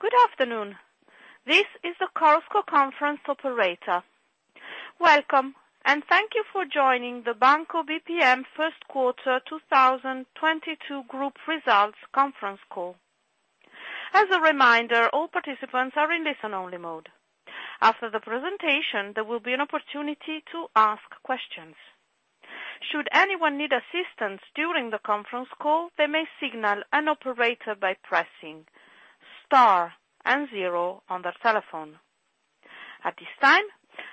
Good afternoon. This is the Chorus Call conference operator. Welcome, and thank you for joining the Banco BPM First Quarter 2022 Group Results Conference Call. As a reminder, all participants are in listen-only mode. After the presentation, there will be an opportunity to ask questions. Should anyone need assistance during the conference call, they may signal an operator by pressing star and zero on their telephone. At this time,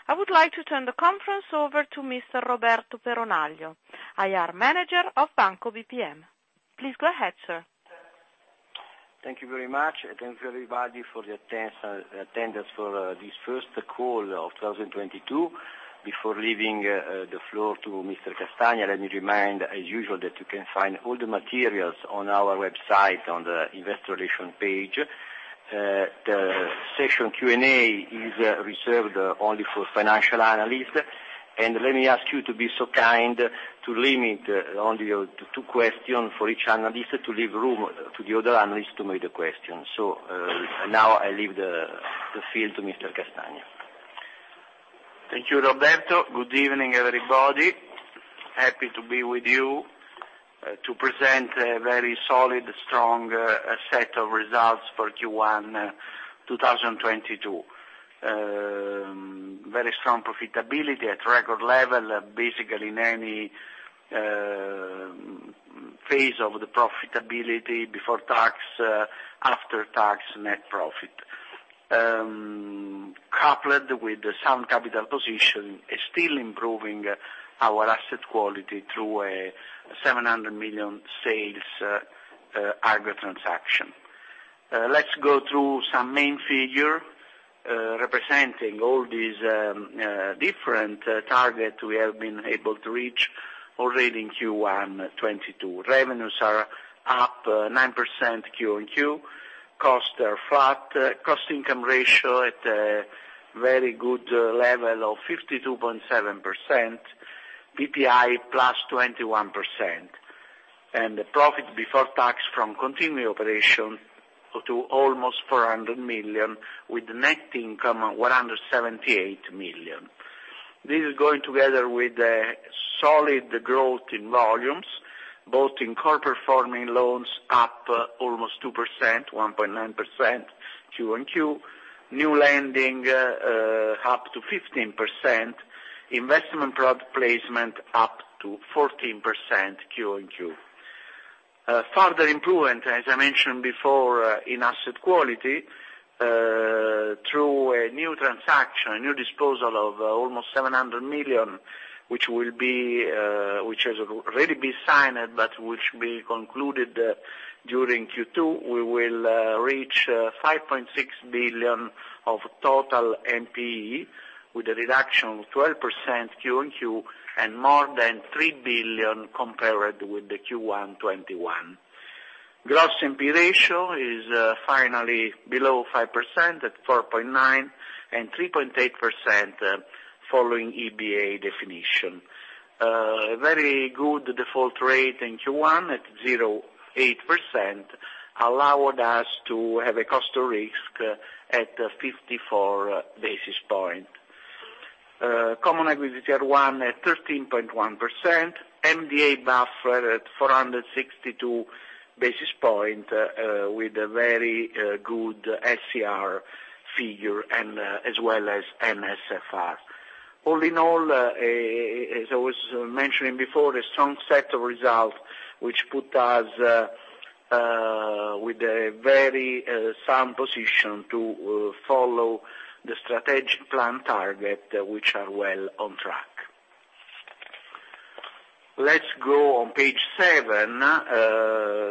I would like to turn the conference over to Mr. Roberto Peronaglio, IR Manager of Banco BPM. Please go ahead, sir. Thank you very much, and thanks everybody for the attendance for this first call of 2022. Before leaving the floor to Mr. Castagna, let me remind as usual that you can find all the materials on our website on the Investor Relations page. The session Q&A is reserved only for financial analysts. Let me ask you to be so kind to limit only to two questions for each analyst to leave room to the other analysts to make a question. Now I leave the floor to Mr. Castagna. Thank you, Roberto. Good evening, everybody. Happy to be with you to present a very solid, strong set of results for Q1 2022. Very strong profitability at record level, basically in any phase of the profitability before tax, after tax net profit. Coupled with the sound capital position is still improving our asset quality through a 700 million sales, Agos transaction. Let's go through some main figure representing all these different target we have been able to reach already in Q1 2022. Revenues are up 9% QoQ, costs are flat. Cost/income ratio at a very good level of 52.7%, PPI +21%. The profit before tax from continuing operation to almost 400 million with net income 178 million. This is going together with a solid growth in volumes, both in corporate performing loans up almost 2%, 1.9% QoQ, new lending up to 15%, investment product placement up to 14% QoQ. Further improvement, as I mentioned before, in asset quality through a new transaction, a new disposal of almost 700 million, which has already been signed, but which will be concluded during Q2. We will reach 5.6 billion of total NPE with a reduction of 12% QoQ and more than 3 billion compared with the Q1 2021. Gross NPE ratio is finally below 5% at 4.9% and 3.8% following EBA definition. Very good default rate in Q1 at 0.8% allowed us to have a cost of risk at 54 basis points. Common equity tier one at 13.1%, MDA buffer at 462 basis points, with a very good SCR figure and as well as NSFR. All in all, as I was mentioning before, a strong set of results, which put us with a very sound position to follow the strategic plan target which are well on track. Let's go on page seven.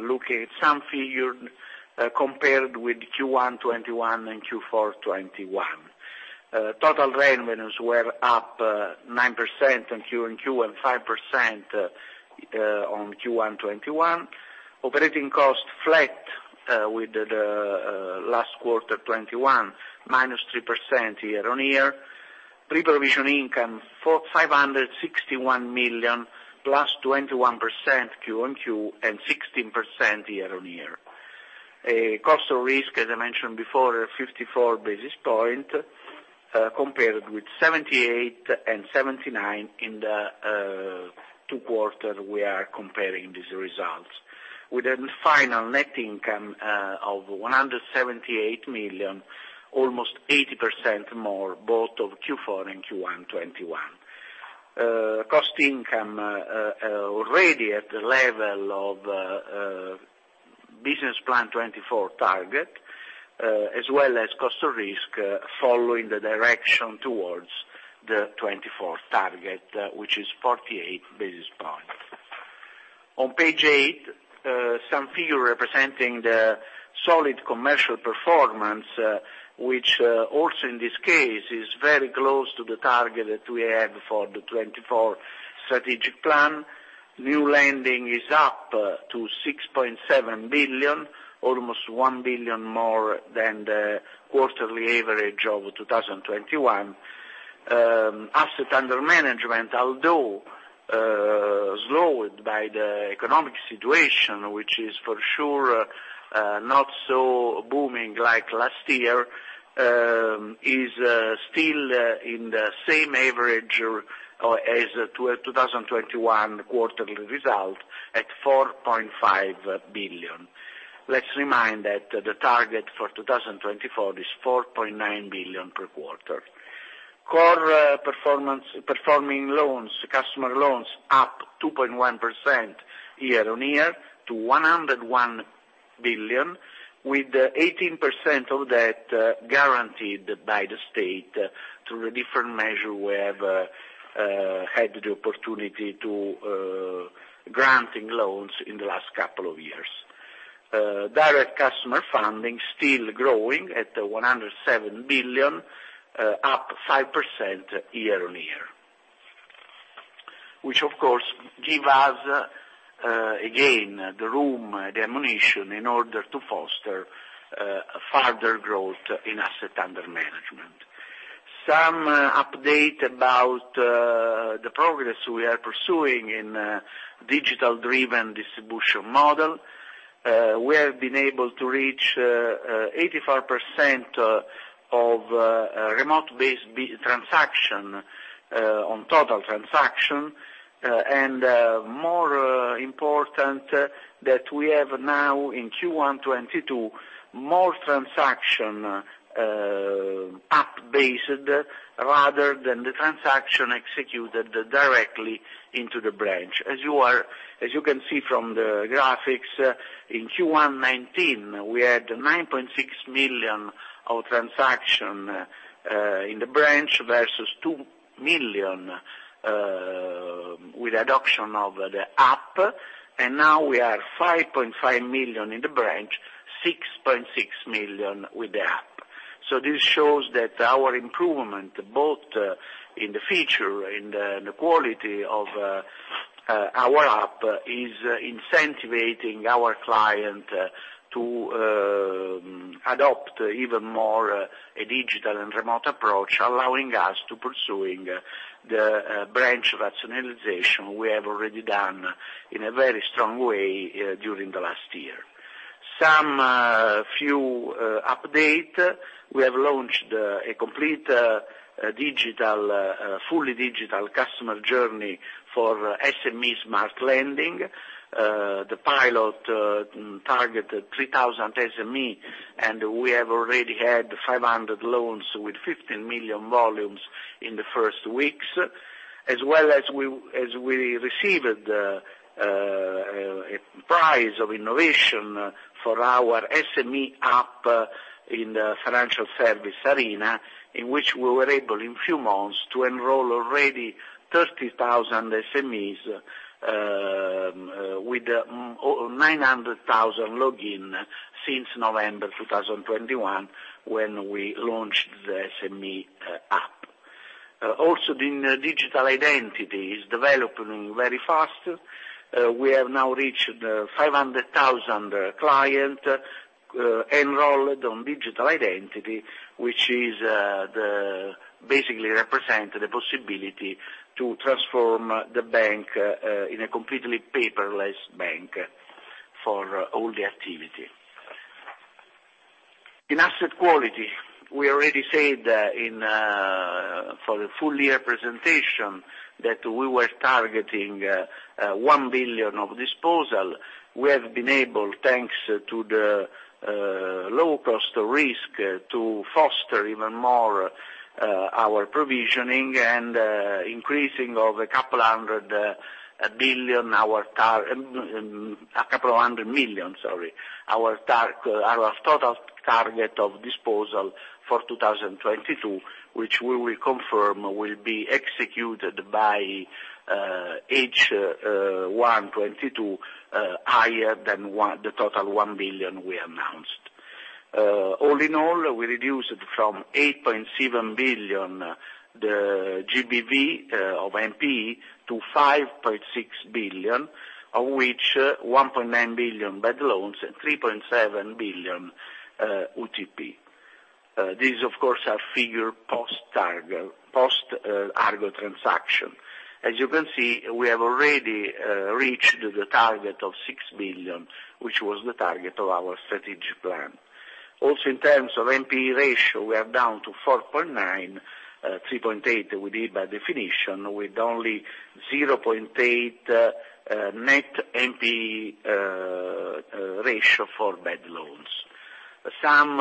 Look at some figure compared with Q1 2021 and Q4 2021. Total revenues were up 9% in QoQ and 5% on Q1 2021. Operating costs flat with the last quarter 2021, -3% year-on-year. Pre-provision income for 561 million +21% QoQ and 16% year-on-year. Cost of risk, as I mentioned before, 54 basis points, compared with 78 and 79 in the two quarters we are comparing these results. With a final net income of 178 million, almost 80% more both of Q4 and Q1 2021. Cost/income already at the level of business plan 2024 target, as well as cost of risk following the direction towards the 2024 target, which is 48 basis points. On page eight, some figures representing the solid commercial performance, which also in this case is very close to the target that we have for the 2024 strategic plan. New lending is up to 6.7 billion, almost 1 billion more than the quarterly average of 2021. Asset under management, although slowed by the economic situation, which is for sure not so booming like last year, is still in the same average as to 2021 quarterly result at 4.5 billion. Let's remind that the target for 2024 is 4.9 billion per quarter. Core performing loans, customer loans up 2.1% year-on-year to 101 billion, with 18% of that guaranteed by the state through the different measure we have had the opportunity to granting loans in the last couple of years. Direct customer funding still growing at 107 billion, up 5% year-on-year. Which of course give us, again, the room, the ammunition in order to foster, further growth in asset under management. Some update about, the progress we are pursuing in, digital-driven distribution model. We have been able to reach, 85% of, remote-based transaction on total transaction, and, more important that we have now in Q1 2022 more transaction, app-based rather than the transaction executed directly into the branch. As you can see from the graphics, in Q1 2019, we had 9.6 million transactions in the branch versus 2 million, with adoption of the app. Now we are 5.5 million in the branch, 6.6 million with the app. This shows that our improvement, both in the features and the quality of our app is incentivizing our clients to adopt even more a digital and remote approach, allowing us to pursue the branch rationalization we have already done in a very strong way during the last year. A few updates. We have launched a complete digital fully digital customer journey for SME smart lending. The pilot targeted 3,000 SME, and we have already had 500 loans with 15 million volumes in the first weeks, as well as we received a prize of innovation for our SME app in the financial service arena, in which we were able in few months to enroll already 30,000 SMEs with 900,000 logins since November 2021 when we launched the SME app. Also the digital identity is developing very fast. We have now reached 500,000 clients enrolled on digital identity, which basically represents the possibility to transform the bank in a completely paperless bank for all the activity. In asset quality, we already said in the full year presentation that we were targeting 1 billion of disposal. We have been able, thanks to the low cost risk to foster even more our provisioning and increasing of 200 million our total target of disposal for 2022, which we will confirm will be executed by H1 2022, higher than the total 1 billion we announced. All in all, we reduced from 8.7 billion the GBV of NPE to 5.6 billion, of which 1.9 billion bad loans and 3.7 billion UTP. These of course are figures post-Agos, post Agos-transaction. As you can see, we have already reached the target of 6 billion, which was the target of our strategic plan. Also, in terms of NPE ratio, we are down to 4.9%, 3.8% we did by definition, with only 0.8% net NPE ratio for bad loans. Some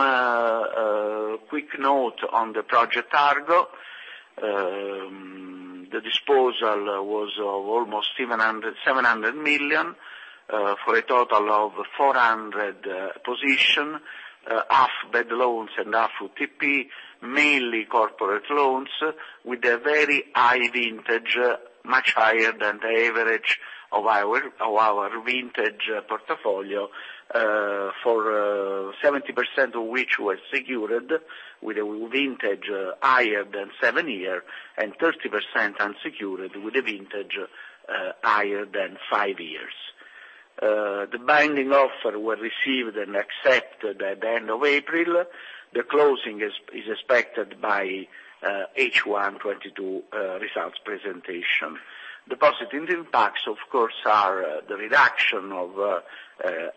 quick note on the project Argo. The disposal was of almost 700 million for a total of 400 positions, half bad loans and half UTP, mainly corporate loans with a very high vintage, much higher than the average of our vintage portfolio, for 70% of which was secured with a vintage higher than seven years and 30% unsecured with a vintage higher than five years. The binding offers were received and accepted at the end of April. The closing is expected by H1 2022, results presentation. The positive impacts, of course, are the reduction of the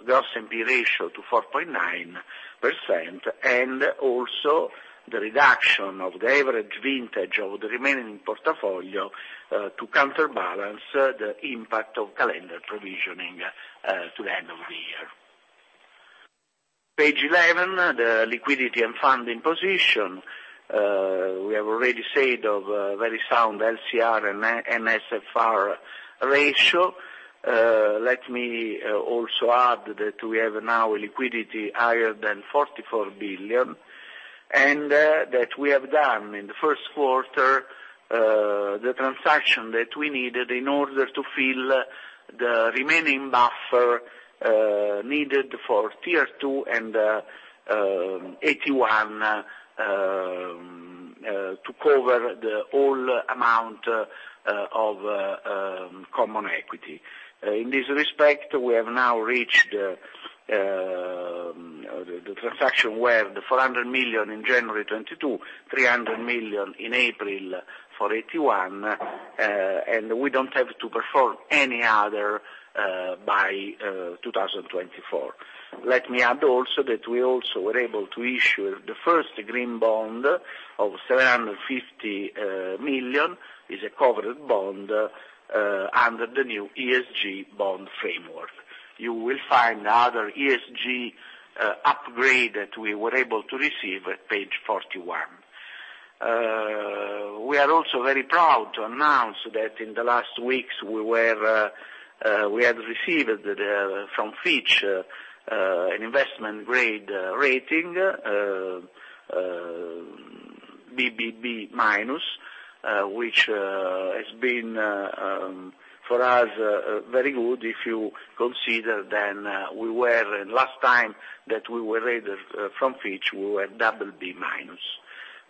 gross NPE ratio to 4.9%, and also the reduction of the average vintage of the remaining portfolio to counterbalance the impact of calendar provisioning to the end of the year. Page 11, the liquidity and funding position. We have already said about a very sound LCR and NSFR ratio. Let me also add that we have now a liquidity higher than 44 billion, and that we have done in the first quarter the transaction that we needed in order to fill the remaining buffer needed for Tier 2 and AT1 to cover the full amount of common equity. In this respect, we have now reached the transaction where the 400 million in January 2022, 300 million in April for 81, and we don't have to perform any other by 2024. Let me add also that we also were able to issue the first green bond of 750 million, is a covered bond, under the new ESG bond framework. You will find other ESG upgrade that we were able to receive at page 41. We are also very proud to announce that in the last weeks we had received from Fitch an investment grade rating, BBB-, which has been for us very good if you consider that last time that we were rated from Fitch, we were BB-.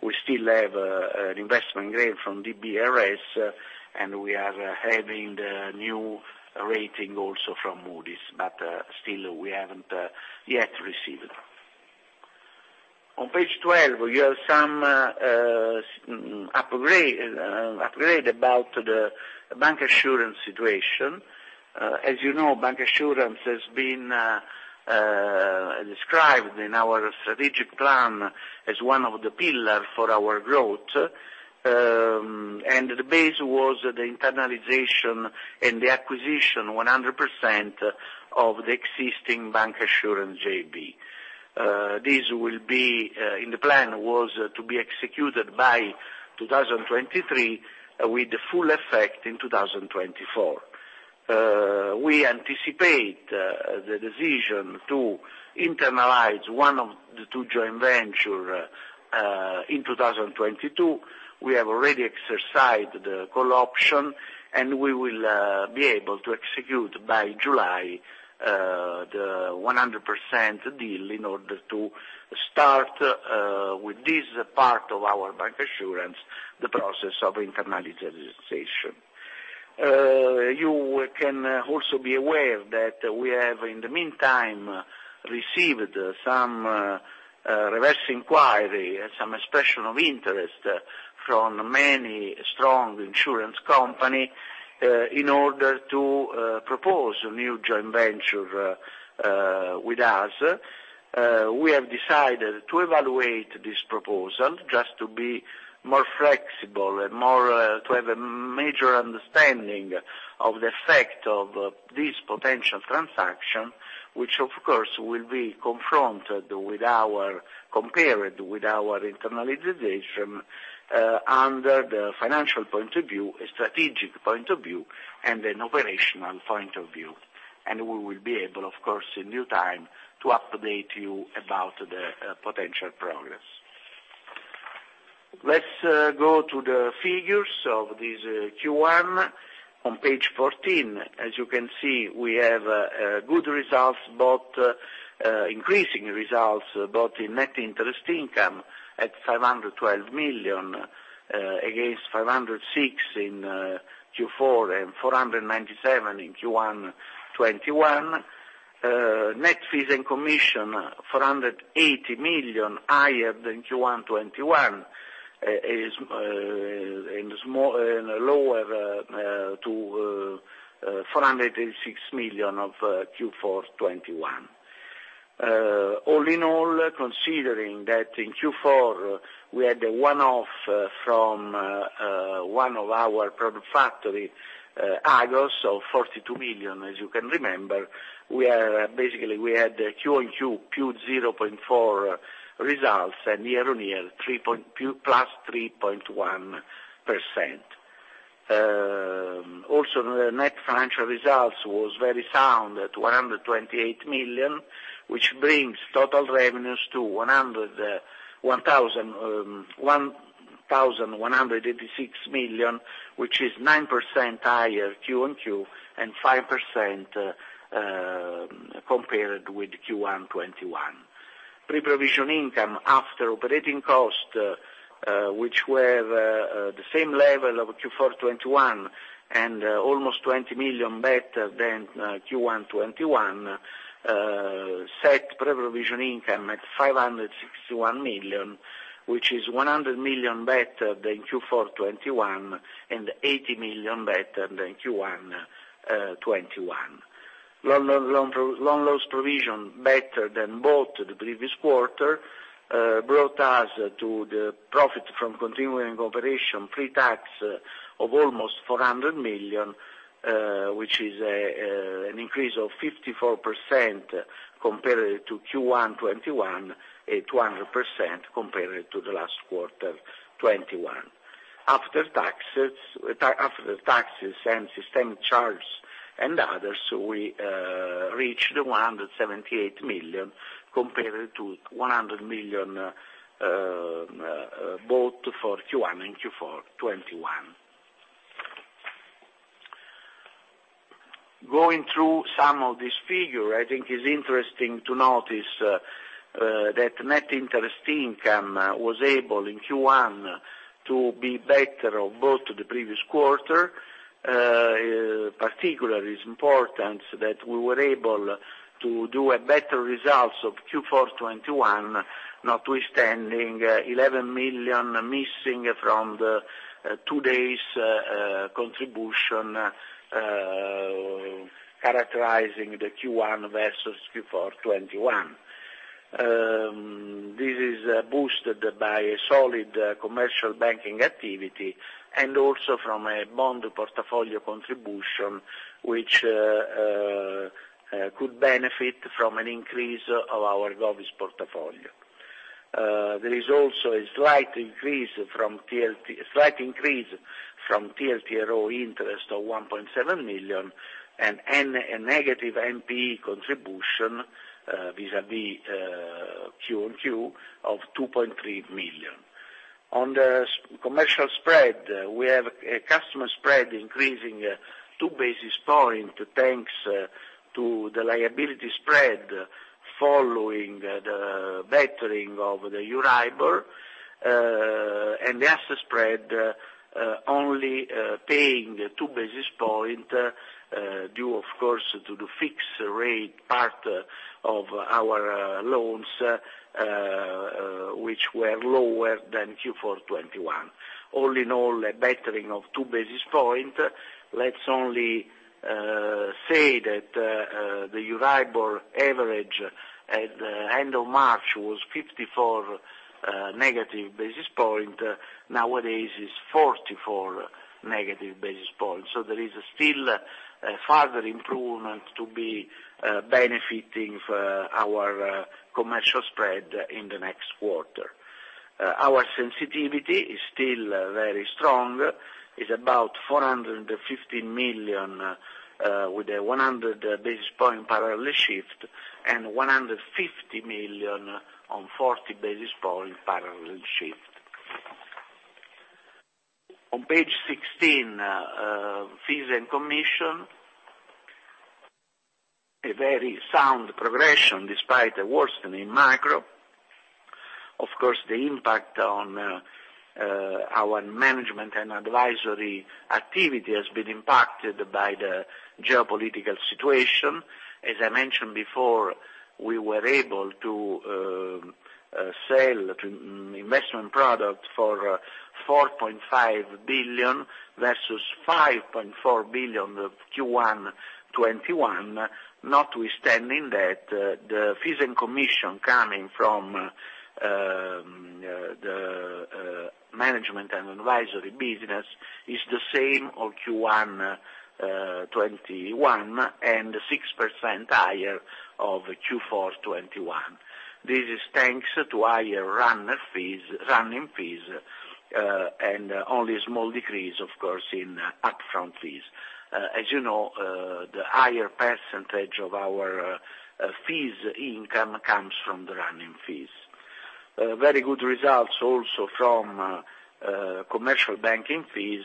We still have an investment grade from DBRS, and we are having the new rating also from Moody's, but still we haven't yet received. On page 12, you have some upgrade about the bancassurance situation. As you know, bancassurance has been described in our strategic plan as one of the pillar for our growth, and the basis was the internalization and the acquisition 100% of the existing bancassurance JV. This will be in the plan was to be executed by 2023, with the full effect in 2024. We anticipate the decision to internalize one of the two joint ventures in 2022. We have already exercised the call option, and we will be able to execute by July the 100% deal in order to start with this part of our bancassurance, the process of internalization. You can also be aware that we have, in the meantime, received some reverse inquiries and some expressions of interest from many strong insurance companies in order to propose a new joint venture with us. We have decided to evaluate this proposal just to be more flexible and more to have a major understanding of the effect of this potential transaction, which, of course, will be compared with our internalization under the financial point of view, a strategic point of view, and an operational point of view. We will be able, of course, in due time to update you about the potential progress. Let's go to the figures of this Q1. On page 14, as you can see, we have good results, increasing results both in net interest income at 512 million against 506 million in Q4 and 497 million in Q1 2021. Net fees and commission, 480 million, higher than Q1 2021. It is somewhat lower to EUR 460 million of Q4 2021. All in all, considering that in Q4 we had a one-off from one of our product factory, Agos, so 42 million, as you can remember, basically, we had QoQ 0.4% results, and year-on-year, 3.2 Plus 3.1%. Also the net financial results was very sound at 128 million, which brings total revenues to 1,186 million, which is 9% higher QoQ and 5% compared with Q1 2021. Pre-provision income after operating cost, which were the same level of Q4 2021 and almost 20 million better than Q1 2021, set pre-provision income at 561 million, which is 100 million better than Q4 2021 and 80 million better than Q1 2021. Loan loss provision better than both the previous quarter brought us to the profit from continuing operation pre-tax of almost 400 million, which is an increase of 54% compared to Q1 2021, 200% compared to the last quarter 2021. After taxes, after the taxes and systemic charge and others, we reached 178 million compared to 100 million both for Q1 2021 and Q4 2021. Going through some of this figure, I think it's interesting to notice that net interest income was able, in Q1, to be better than both the previous quarter. Particularly important that we were able to deliver better results than Q4 2021, notwithstanding 11 million missing from the two days' contribution characterizing the Q1 versus Q4 2021. This is boosted by a solid commercial banking activity and also from a bond portfolio contribution, which could benefit from an increase of our GOVs portfolio. There is also a slight increase from TLTRO interest of 1.7 million and negative NPE contribution vis-a-vis QoQ of 2.3 million. On the commercial spread, we have a customer spread increasing two basis points, thanks to the liability spread following the bettering of the EURIBOR, and the asset spread only paying two basis points, due of course to the fixed rate part of our loans, which were lower than Q4 2021. All in all, a bettering of two basis points. Let's just say that the EURIBOR average at the end of March was 54 negative basis points, nowadays is 44 negative basis points. So there is still a further improvement to be benefiting our commercial spread in the next quarter. Our sensitivity is still very strong, is about 450 million with a 100 basis point parallel shift and 150 million on 40 basis point parallel shift. On page 16, fees and commissions, a very sound progression despite the worsening macro. Of course, the impact on our management and advisory activity has been impacted by the geopolitical situation. As I mentioned before, we were able to sell investment products for 4.5 billion versus 5.4 billion of Q1 2021, notwithstanding that the fees and commissions coming from the management and advisory business is the same as Q1 2021 and 6% higher than Q4 2021. This is thanks to higher running fees and only a small decrease, of course, in upfront fees. As you know, the higher percentage of our fees income comes from the running fees. Very good results also from commercial banking fees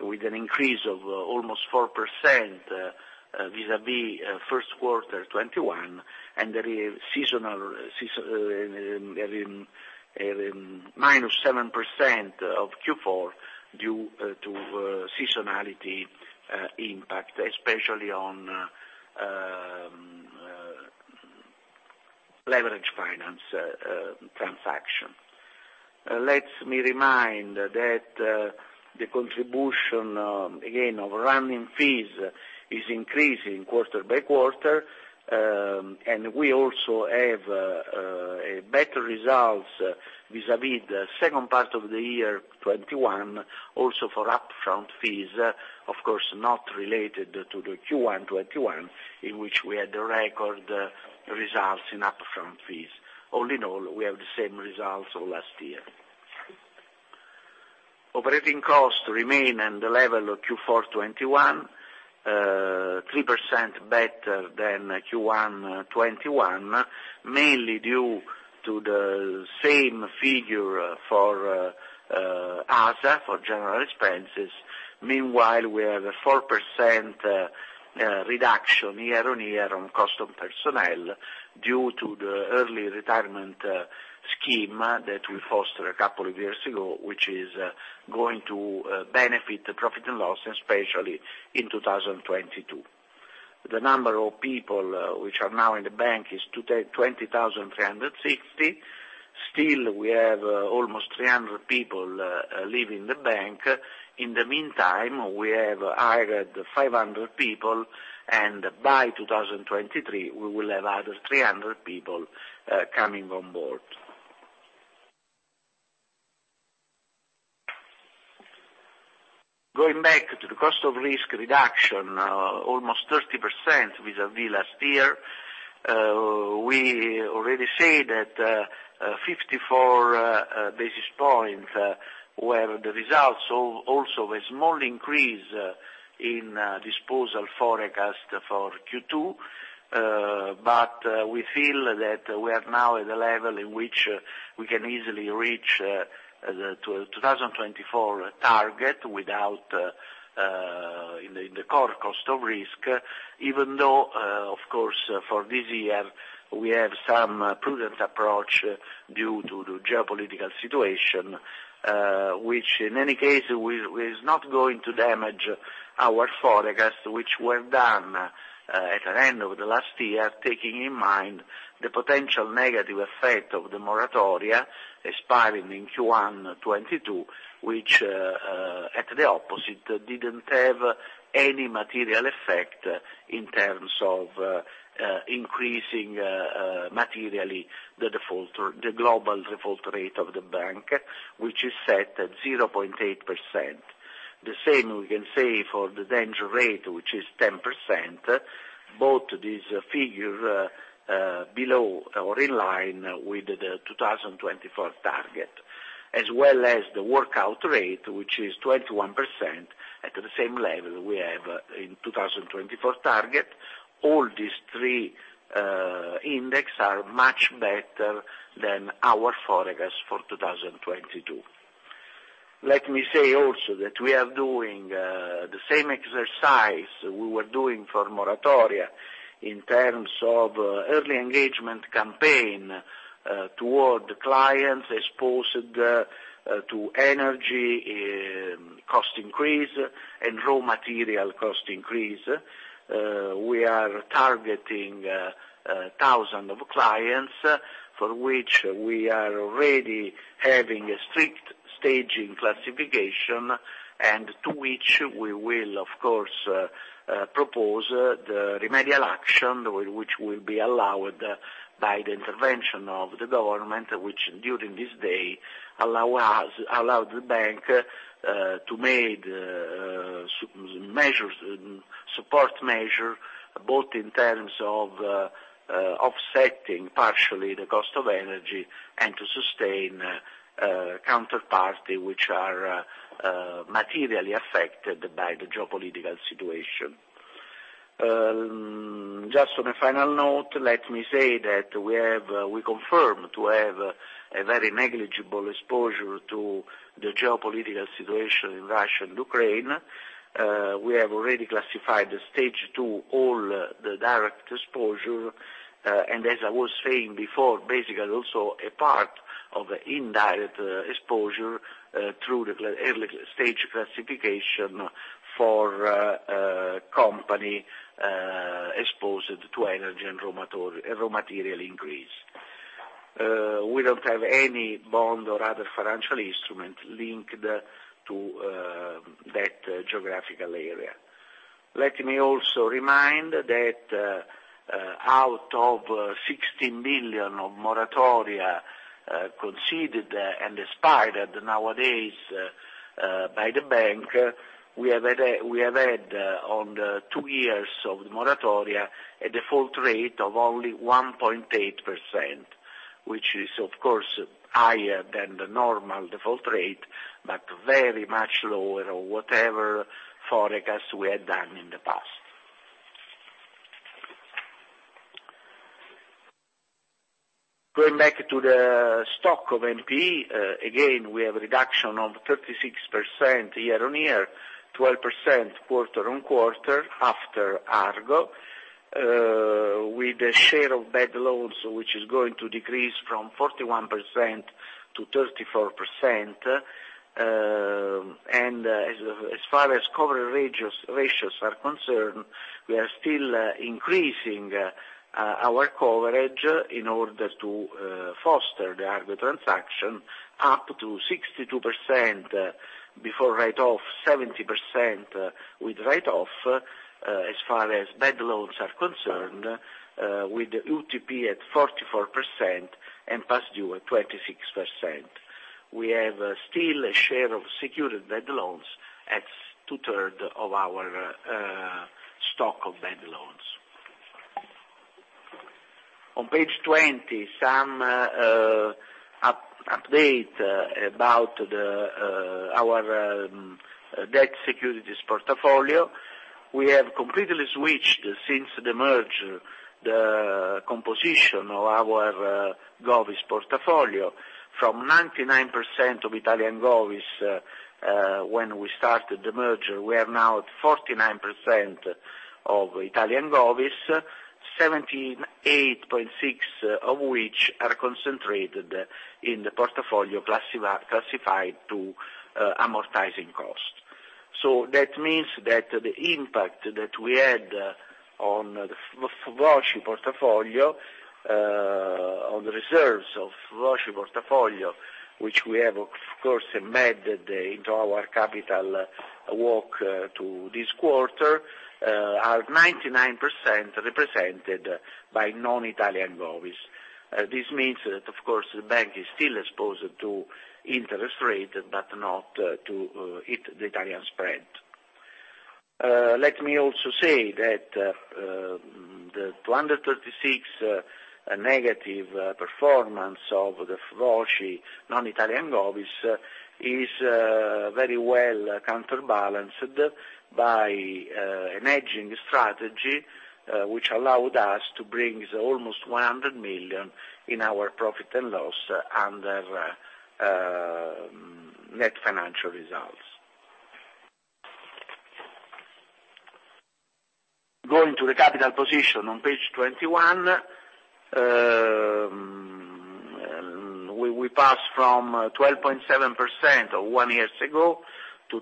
with an increase of almost 4%, vis-a-vis first quarter 2021, and there is seasonal minus 7% of Q4 due to seasonality impact, especially on leverage finance transaction. Let me remind that the contribution again of recurring fees is increasing quarter by quarter, and we also have a better results vis-a-vis the second part of the year 2021, also for upfront fees, of course, not related to the Q1 2021, in which we had the record results in upfront fees. All in all, we have the same results of last year. Operating costs remain in the level of Q4 2021, 3% better than Q1 2021, mainly due to the same figure for ASA, for general expenses. Meanwhile, we have a 4% reduction year on year on cost of personnel due to the early retirement scheme that we foster a couple of years ago, which is going to benefit the profit and loss, especially in 2022. The number of people which are now in the bank is 20,360. Still we have almost 300 people leaving the bank. In the meantime, we have hired 500 people, and by 2023, we will have other 300 people coming on board. Going back to the cost of risk reduction, almost 30% vis-a-vis last year, we already said that 54 basis points were the results. Also a small increase in disposal forecast for Q2. We feel that we are now at a level in which we can easily reach the 2024 target without, in the core cost of risk, even though, of course, for this year, we have some prudent approach due to the geopolitical situation, which in any case is not going to damage our forecast, which were done at the end of the last year, taking in mind the potential negative effect of the moratoria expiring in Q1 2022, which, at the opposite, didn't have any material effect in terms of increasing materially the default or the global default rate of the bank, which is set at 0.8%. The same we can say for the default rate, which is 10%, both these figures below or in line with the 2024 target, as well as the workout rate, which is 21% at the same level we have in 2024 target. All these three indices are much better than our forecast for 2022. Let me say also that we are doing the same exercise we were doing for moratoria in terms of early engagement campaign toward clients exposed to energy cost increase and raw material cost increase. We are targeting thousands of clients for which we are already having a strict staging classification, and to which we will of course propose the remedial action which will be allowed by the intervention of the government, which during this day allowed the bank to make support measures, both in terms of offsetting partially the cost of energy and to sustain counterparties which are materially affected by the geopolitical situation. Just on a final note, let me say that we confirm to have a very negligible exposure to the geopolitical situation in Russia and Ukraine. We have already classified the Stage 2, all the direct exposure, and as I was saying before, basically also a part of the indirect exposure, through the early stage classification for a company exposed to energy and raw material increase. We don't have any bond or other financial instrument linked to that geographical area. Let me also remind that, out of 60 million of moratoria conceded and expired nowadays by the bank, we have had on the two years of moratoria, a default rate of only 1.8%, which is of course higher than the normal default rate, but very much lower than whatever forecast we had done in the past. Going back to the stock of NPE, again, we have a reduction of 36% year-on-year, 12% quarter-on-quarter after Agos, with a share of bad loans, which is going to decrease from 41%-34%. As far as coverage ratios are concerned, we are still increasing our coverage in order to foster the Agos transaction up to 62% before write-off, 70% with write-off, as far as bad loans are concerned, with UTP at 44% and past due at 26%. We have still a share of secured bad loans at two-thirds of our stock of bad loans. On page 20, some update about our debt securities portfolio. We have completely switched since the merger, the composition of our GOVs portfolio. From 99% of Italian GOVs, when we started the merger, we are now at 49% of Italian GOVs, 17.8 of which are concentrated in the portfolio classified to amortizing cost. So that means that the impact that we had on the FVOCI portfolio, on the reserves of FVOCI portfolio, which we have of course embedded into our capital walk to this quarter, are 99% represented by non-Italian GOVs. This means that of course the bank is still exposed to interest rate, but not to the Italian spread. Let me also say that the 236 negative performance of the FVOCI non-Italian GOVs is very well counterbalanced by a hedging strategy, which allowed us to bring almost 100 million into our profit and loss under net financial results. Going to the capital position on page 21, we pass from 12.7% one year ago to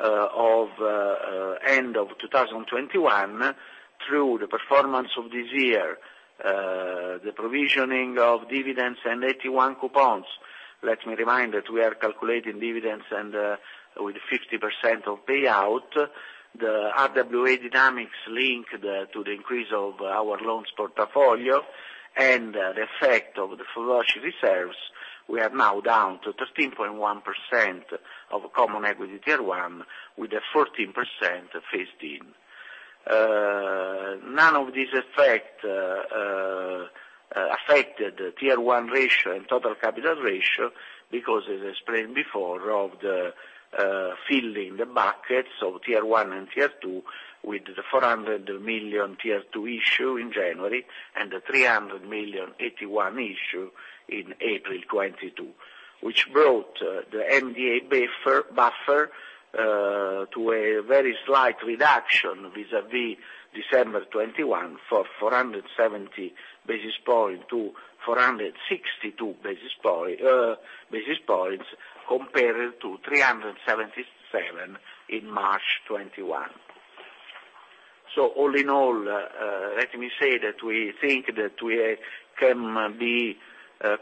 13.4% at end of 2021 through the performance of this year, the provisioning of dividends and AT1 coupons. Let me remind that we are calculating dividends and with 50% payout, the RWA dynamics link to the increase of our loans portfolio and the effect of the IFRS 9 reserves. We are now down to 13.1% of Common Equity Tier 1 with a 14% phased-in. None of this affected the Tier 1 ratio and total capital ratio because as explained before of the filling the buckets of Tier 1 and Tier 2 with the 400 million Tier 2 issue in January and the 300 million AT1 issue in April 2022, which brought the MDA buffer to a very slight reduction vis-à-vis December 2021 for 470 basis points to 462 basis points compared to 377 in March 2021. All in all, let me say that we think that we can be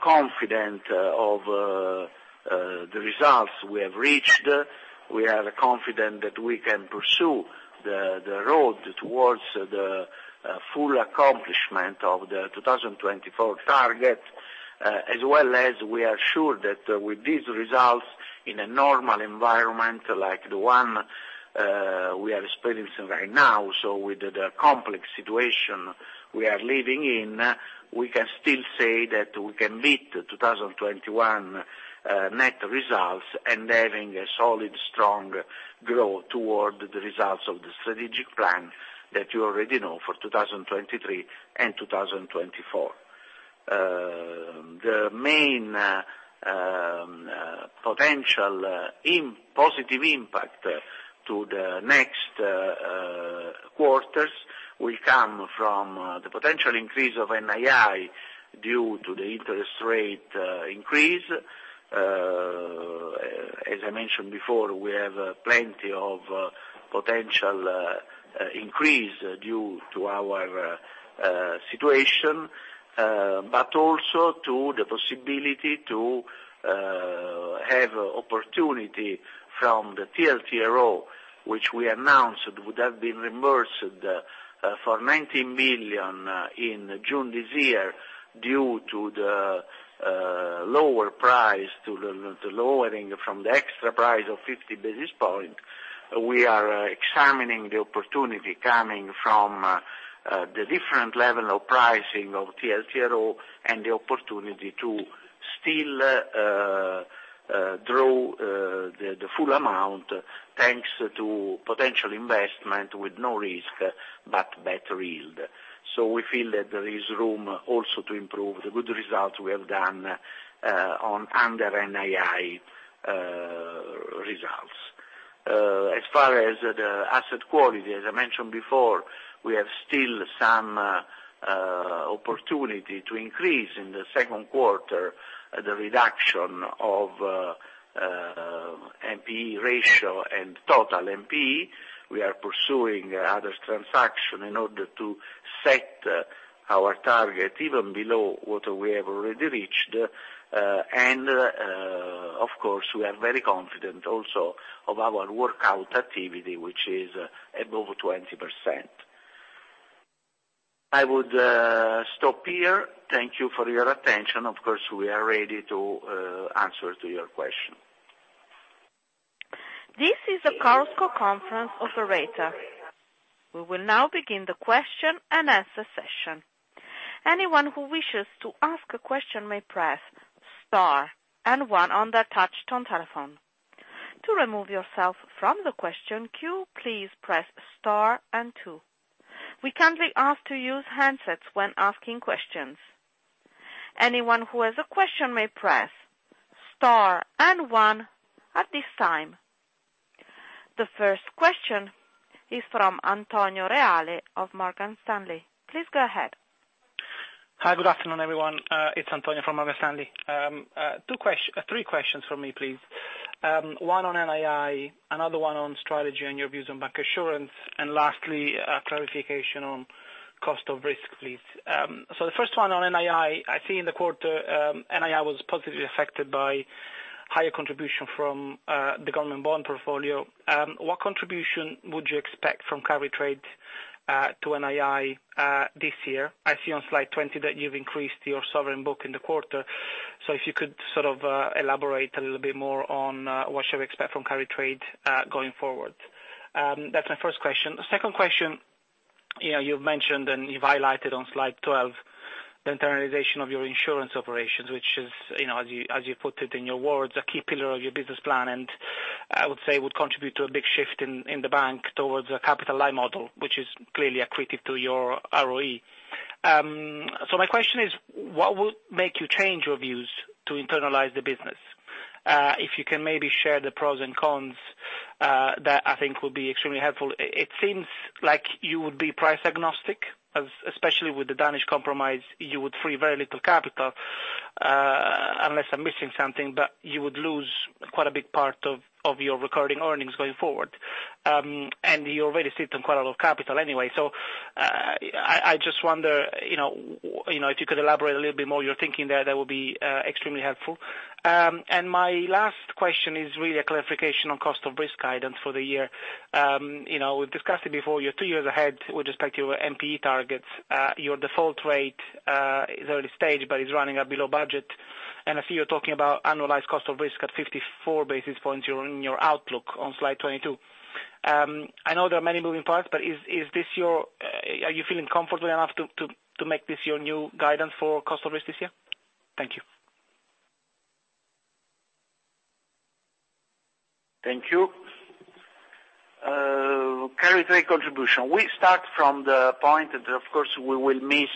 confident of the results we have reached. We are confident that we can pursue the road towards the full accomplishment of the 2024 target, as well as we are sure that with these results in a normal environment like the one we are experiencing right now. With the complex situation we are living in, we can still say that we can beat 2021 net results and having a solid strong growth toward the results of the strategic plan that you already know for 2023 and 2024. The main potential positive impact to the next quarters will come from the potential increase of NII due to the interest rate increase. As I mentioned before, we have plenty of potential increase due to our situation, but also to the possibility to have opportunity from the TLTRO, which we announced would have been reimbursed for 19 million in June this year due to the lower price to the lowering from the extra price of 50 basis points. We are examining the opportunity coming from the different level of pricing of TLTRO and the opportunity to still draw the full amount, thanks to potential investment with no risk but better yield. We feel that there is room also to improve the good results we have done on NII results. As far as the asset quality, as I mentioned before, we have still some opportunity to increase in the second quarter the reduction of NPE ratio and total NPE. We are pursuing other transaction in order to set our target even below what we have already reached. Of course, we are very confident also of our workout activity, which is above 20%. I would stop here. Thank you for your attention. Of course, we are ready to answer to your question. This is a Chorus Call Conference operator. We will now begin the question-and-answer session. Anyone who wishes to ask a question may press star and one on their touch-tone telephone. To remove yourself from the question queue, please press star and two. We kindly ask to use handsets when asking questions. Anyone who has a question may press star and one at this time. The first question is from Antonio Reale of Morgan Stanley. Please go ahead. Hi, good afternoon, everyone. It's Antonio from Morgan Stanley. Three questions from me, please. One on NII, another one on strategy and your views on bancassurance, and lastly, a clarification on cost of risk, please. The first one on NII, I see in the quarter, NII was positively affected by higher contribution from the government bond portfolio. What contribution would you expect from carry trade to NII this year? I see on slide 20 that you've increased your sovereign book in the quarter. If you could sort of elaborate a little bit more on what should we expect from carry trade going forward. That's my first question. The second question, you know, you've mentioned, and you've highlighted on slide 12 the internalization of your insurance operations, which is, you know, as you put it in your words, a key pillar of your business plan, and I would say would contribute to a big shift in the bank towards a capital-light model, which is clearly accretive to your ROE. My question is, what would make you change your views to internalize the business? If you can maybe share the pros and cons, that I think would be extremely helpful. It seems like you would be price-agnostic, especially with the Danish Compromise, you would free very little capital, unless I'm missing something, but you would lose quite a big part of your recurring earnings going forward. You already sit on quite a lot of capital anyway. I just wonder, you know, if you could elaborate a little bit more your thinking there, that would be extremely helpful. My last question is really a clarification on cost of risk guidance for the year. You know, we've discussed it before, you're two years ahead with respect to your NPE targets. Your default rate in early stage is running well below budget. I see you're talking about annualized cost of risk at 54 basis points during your outlook on slide 22. I know there are many moving parts, but is this your, are you feeling comfortable enough to make this your new guidance for cost of risk this year? Thank you. Thank you. Carry trade contribution. We start from the point that, of course, we will miss,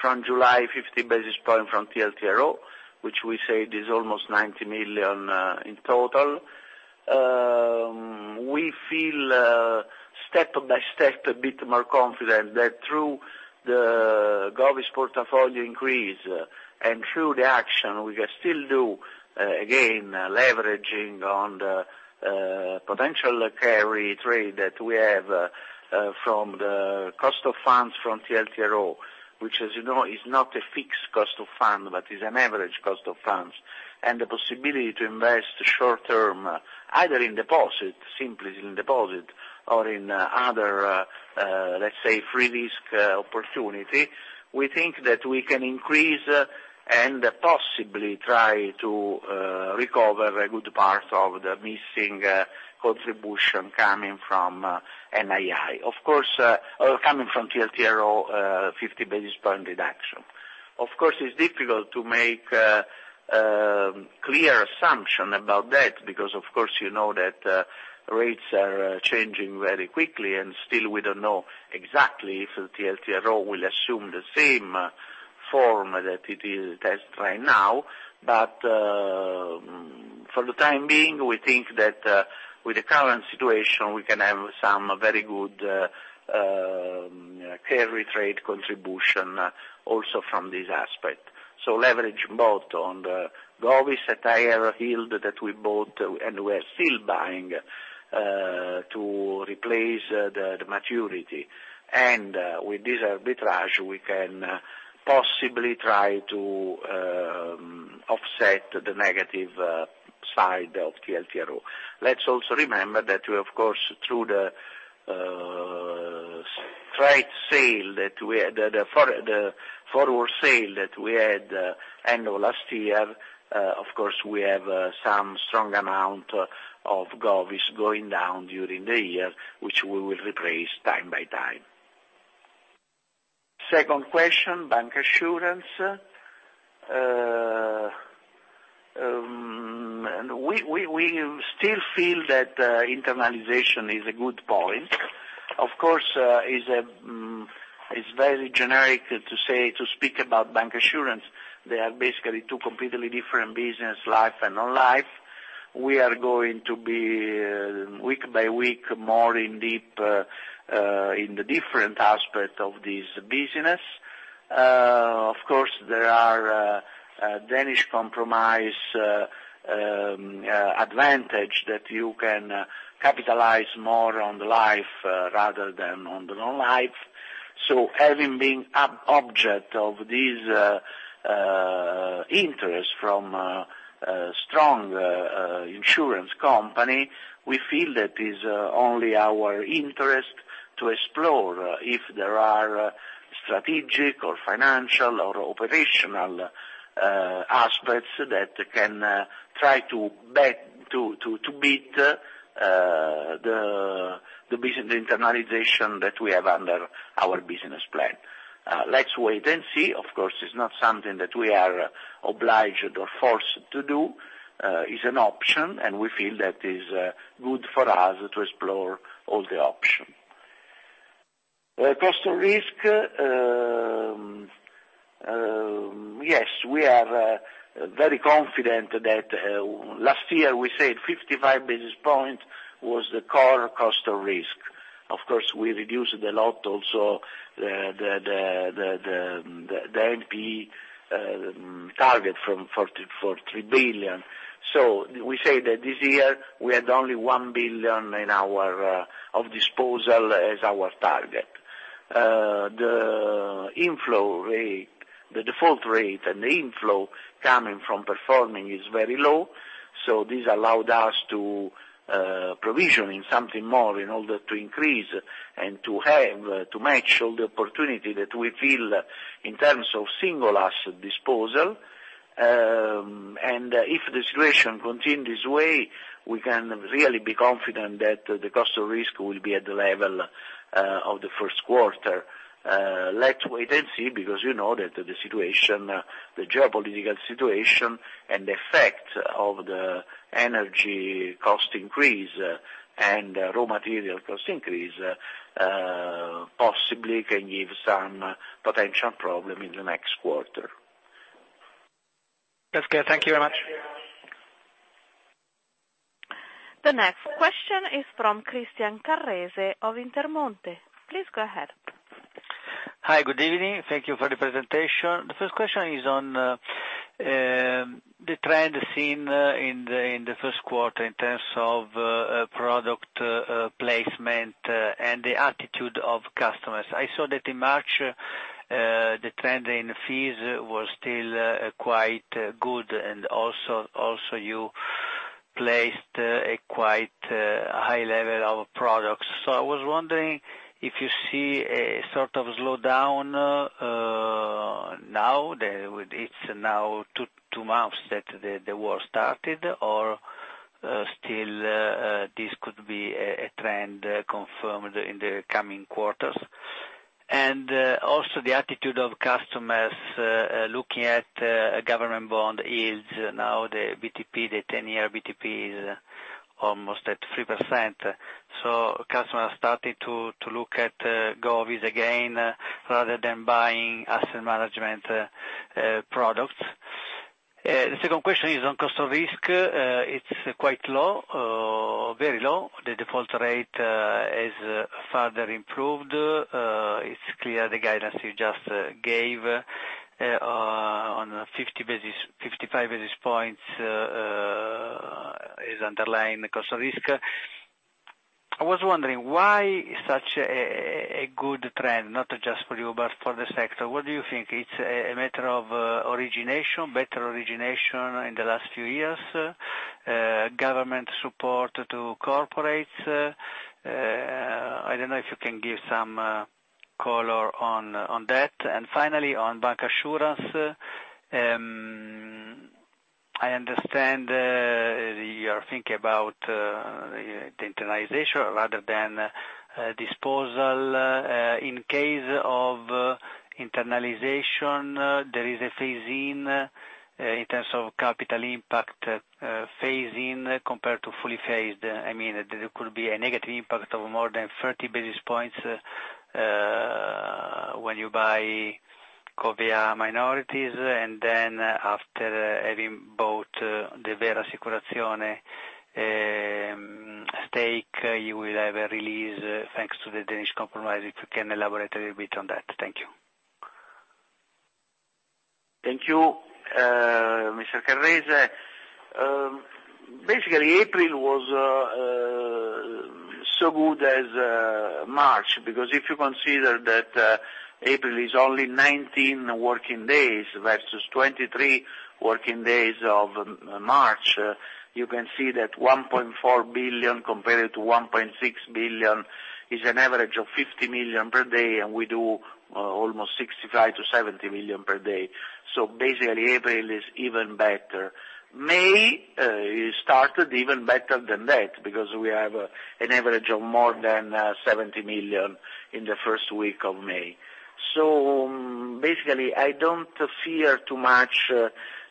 from July, 50 basis points from TLTRO, which we said is almost 90 million in total. We feel step by step a bit more confident that through the GOVs portfolio increase and through the action we can still do, again, leveraging on the potential carry trade that we have from the cost of funds from TLTRO, which as you know, is not a fixed cost of funds, but is an average cost of funds. The possibility to invest short-term, either in deposits, simply in deposits or in other, let's say, risk-free opportunity, we think that we can increase and possibly try to recover a good part of the missing contribution coming from NII. Of course, or coming from TLTRO, 50 basis point reduction. Of course, it's difficult to make a clear assumption about that because of course you know that rates are changing very quickly, and still we don't know exactly if the TLTRO will assume the same form that it has right now. For the time being, we think that with the current situation, we can have some very good carry trade contribution also from this aspect. Leverage both on the GOVs that have yield that we bought and we are still buying to replace the maturity. With this arbitrage, we can possibly try to offset the negative side of TLTRO. Let's also remember that we of course through the straight sale that we had, the forward sale that we had end of last year, of course, we have some strong amount of GOVs going down during the year, which we will replace time by time. Second question, bank assurance. We still feel that internalization is a good point. Of course, is very generic to say to speak about bank assurance. They are basically two completely different business, life and non-life. We are going to be week by week, more in depth in the different aspect of this business. Of course, there are Danish Compromise advantage that you can capitalize more on the life rather than on the non-life. Having been object of this interest from a strong insurance company, we feel that is only our interest to explore if there are strategic or financial or operational aspects that can try to beat the business internalization that we have under our business plan. Let's wait and see. Of course, it's not something that we are obliged or forced to do, is an option, and we feel that is good for us to explore all the option. Cost of risk, yes, we are very confident that, last year we said 55 basis points was the core cost of risk. Of course, we reduced it a lot also, the NPE target from 44 billion. We say that this year we had only 1 billion in our of disposal as our target. The inflow rate, the default rate and the inflow coming from performing is very low. This allowed us to provision in something more in order to increase and to have, to match all the opportunity that we feel in terms of single asset disposal. If the situation continue this way, we can really be confident that the cost of risk will be at the level of the first quarter. Let's wait and see, because you know that the situation, the geopolitical situation and the effect of the energy cost increase and raw material cost increase possibly can give some potential problem in the next quarter. Okay, thank you very much. The next question is from Christian Carrese of Intermonte. Please go ahead. Hi. Good evening. Thank you for the presentation. The first question is on the trend seen in the first quarter in terms of product placement and the attitude of customers. I saw that in March the trend in fees was still quite good. Also you placed a quite high level of products. I was wondering if you see a sort of slowdown now that it's two months that the war started or still this could be a trend confirmed in the coming quarters. The attitude of customers looking at government bond yields. Now, the BTP, the 10-year BTP is almost at 3%, so customers started to look at Govies again rather than buying asset management products. The second question is on cost of risk. It's quite low, very low. The default rate has further improved. It's clear the guidance you just gave on 50-55 basis points is underlying the cost of risk. I was wondering why such a good trend, not just for you, but for the sector. What do you think? It's a matter of origination, better origination in the last few years? Government support to corporates? I don't know if you can give some color on that. Finally on bancassurance, I understand you are thinking about the internalization rather than disposal. In case of internalization, there is a phase in in terms of capital impact, phase in compared to fully phased. I mean, there could be a negative impact of more than 30 basis points when you buy Covéa minorities. After having bought the Vera Assicurazioni stake, you will have a release thanks to the Danish Compromise. If you can elaborate a little bit on that. Thank you. Thank you, Mr. Carrese. Basically April was as good as March, because if you consider that April is only 19 working days versus 23 working days of March, you can see that 1.4 billion compared to 1.6 billion is an average of 50 million per day, and we do almost 65 million-70 million per day. Basically April is even better. May started even better than that because we have an average of more than 70 million in the first week of May. Basically, I don't fear too much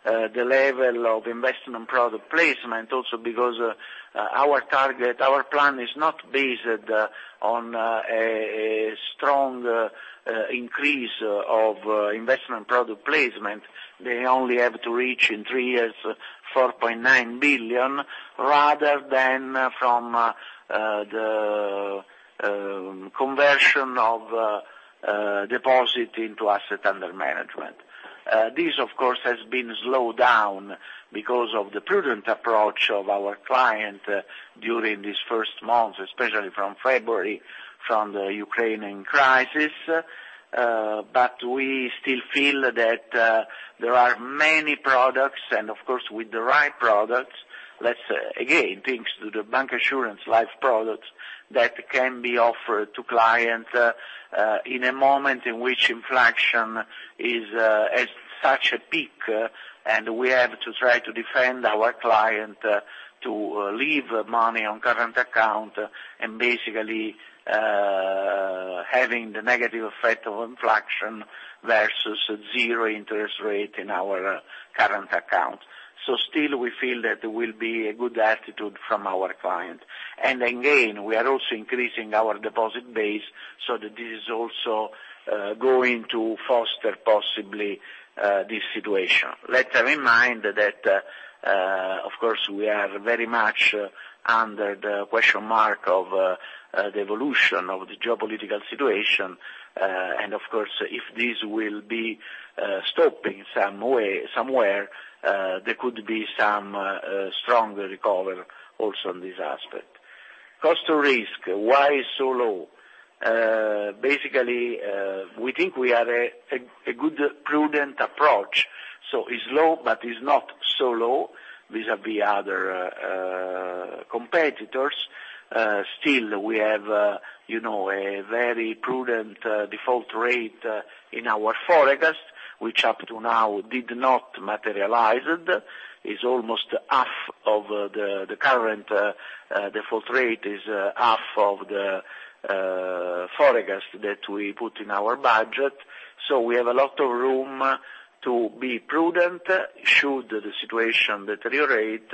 the level of investment product placement, also because our target, our plan is not based on a strong increase of investment product placement. They only have to reach in three years 4.9 billion rather than from the conversion of deposit into asset under management. This of course has been slowed down because of the prudent approach of our client during these first months, especially from February, from the Ukrainian crisis. We still feel that there are many products and of course with the right products, let's again thanks to the bancassurance life products that can be offered to clients in a moment in which inflation is at such a peak, and we have to try to defend our client to leave money on current account and basically having the negative effect of inflation versus zero interest rate in our current account. Still we feel that there will be a good attitude from our client. Again, we are also increasing our deposit base so that this is also going to foster possibly this situation. Let's remind that of course, we are very much under the question mark of the evolution of the geopolitical situation. Of course, if this will be stopping some way somewhere, there could be some stronger recovery also in this aspect. Cost of risk, why so low? Basically, we think we have a good prudent approach. It's low but it's not so low vis-a-vis other competitors. Still we have a you know a very prudent default rate in our forecast, which up to now did not materialize. It's almost half of the current default rate is half of the forecast that we put in our budget. We have a lot of room to be prudent should the situation deteriorate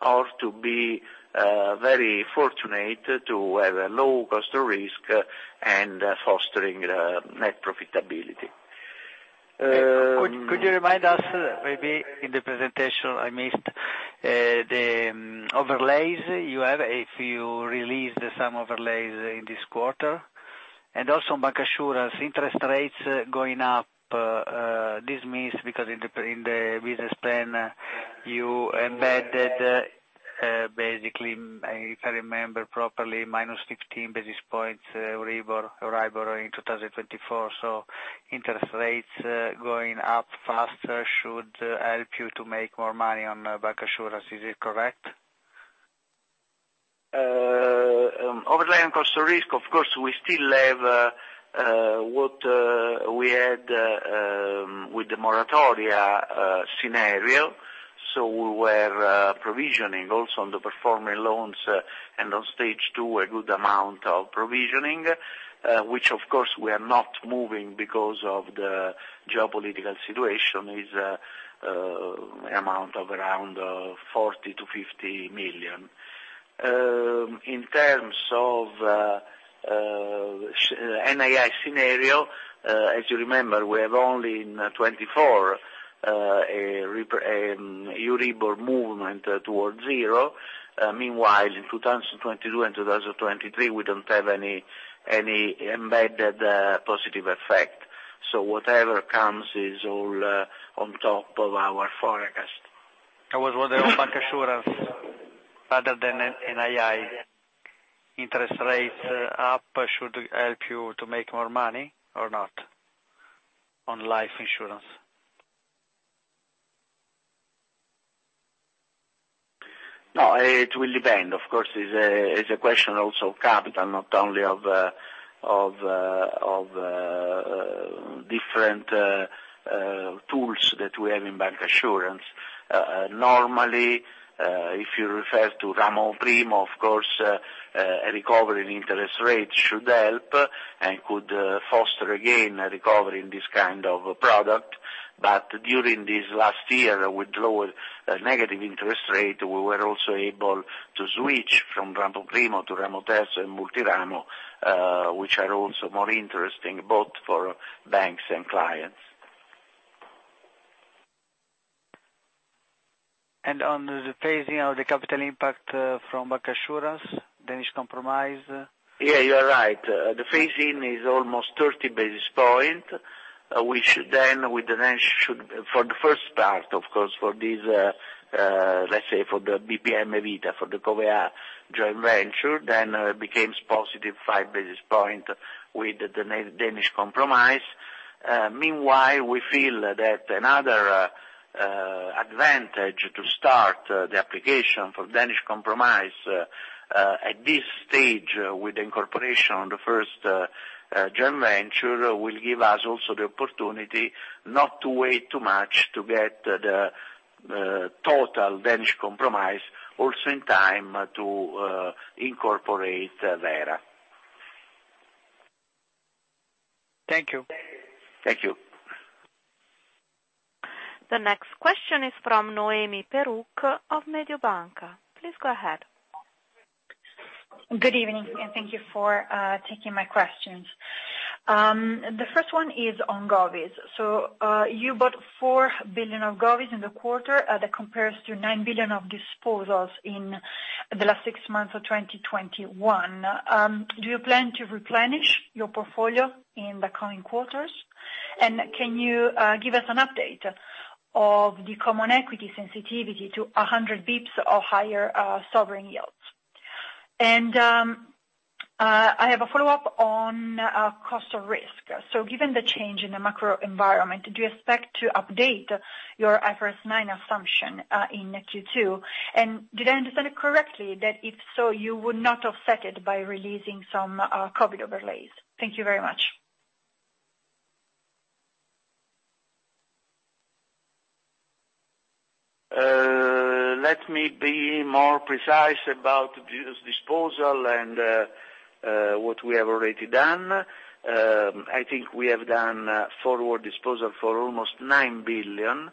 or to be very fortunate to have a low cost of risk and fostering net profitability. Could you remind us maybe in the presentation I missed, the overlays you have if you released some overlays in this quarter? Also bancassurance interest rates going up, this means because in the business plan you embedded, basically, if I remember properly, minus 15 basis points EURIBOR in 2024. Interest rates going up faster should help you to make more money on bancassurance. Is it correct? Overlay and cost of risk, of course, we still have what we had with the moratoria scenario. We were provisioning also on the performing loans and on stage two, a good amount of provisioning, which of course we are not moving because of the geopolitical situation is an amount of around 40 million-50 million. In terms of NII scenario, as you remember, we have only in 2024 a EURIBOR movement towards zero. Meanwhile, in 2022 and 2023, we don't have any embedded positive effect. Whatever comes is all on top of our forecast. I was wondering on bancassurance rather than NII. Interest rates up should help you to make more money or not on life insurance? No, it will depend. Of course, it's a question also of capital, not only of different tools that we have in bancassurance. Normally, if you refer to Ramo Primo, of course, a recovery in interest rates should help and could foster again a recovery in this kind of product. During this last year with lower negative interest rate, we were also able to switch from Ramo Primo to Ramo III and Multiramo, which are also more interesting both for banks and clients. On the phasing of the capital impact from bancassurance, Danish Compromise. Yeah, you are right. The phasing is almost 30 basis points, which then with the Danish Compromise for the first part of course for this, let's say, for the BPM Vita, for the Covéa joint venture then becomes positive 5 basis points with the Danish Compromise. Meanwhile, we feel that another advantage to start the application for Danish Compromise at this stage with incorporation on the first joint venture will give us also the opportunity not to wait too much to get the total Danish Compromise also in time to incorporate Vera. Thank you. Thank you. The next question is from Noemi Peruch of Mediobanca. Please go ahead. Good evening, and thank you for taking my questions. The first one is on GOVs. You bought 4 billion of GOVs in the quarter. That compares to 9 billion of disposals in the last six months of 2021. Do you plan to replenish your portfolio in the coming quarters? And can you give us an update of the common equity sensitivity to 100 basis points or higher sovereign yields? I have a follow-up on cost of risk. Given the change in the macro environment, do you expect to update your IFRS 9 assumption in Q2? And did I understand it correctly that if so, you would not offset it by releasing some COVID overlays? Thank you very much. Let me be more precise about this disposal and what we have already done. I think we have done forward disposal for almost 9 billion.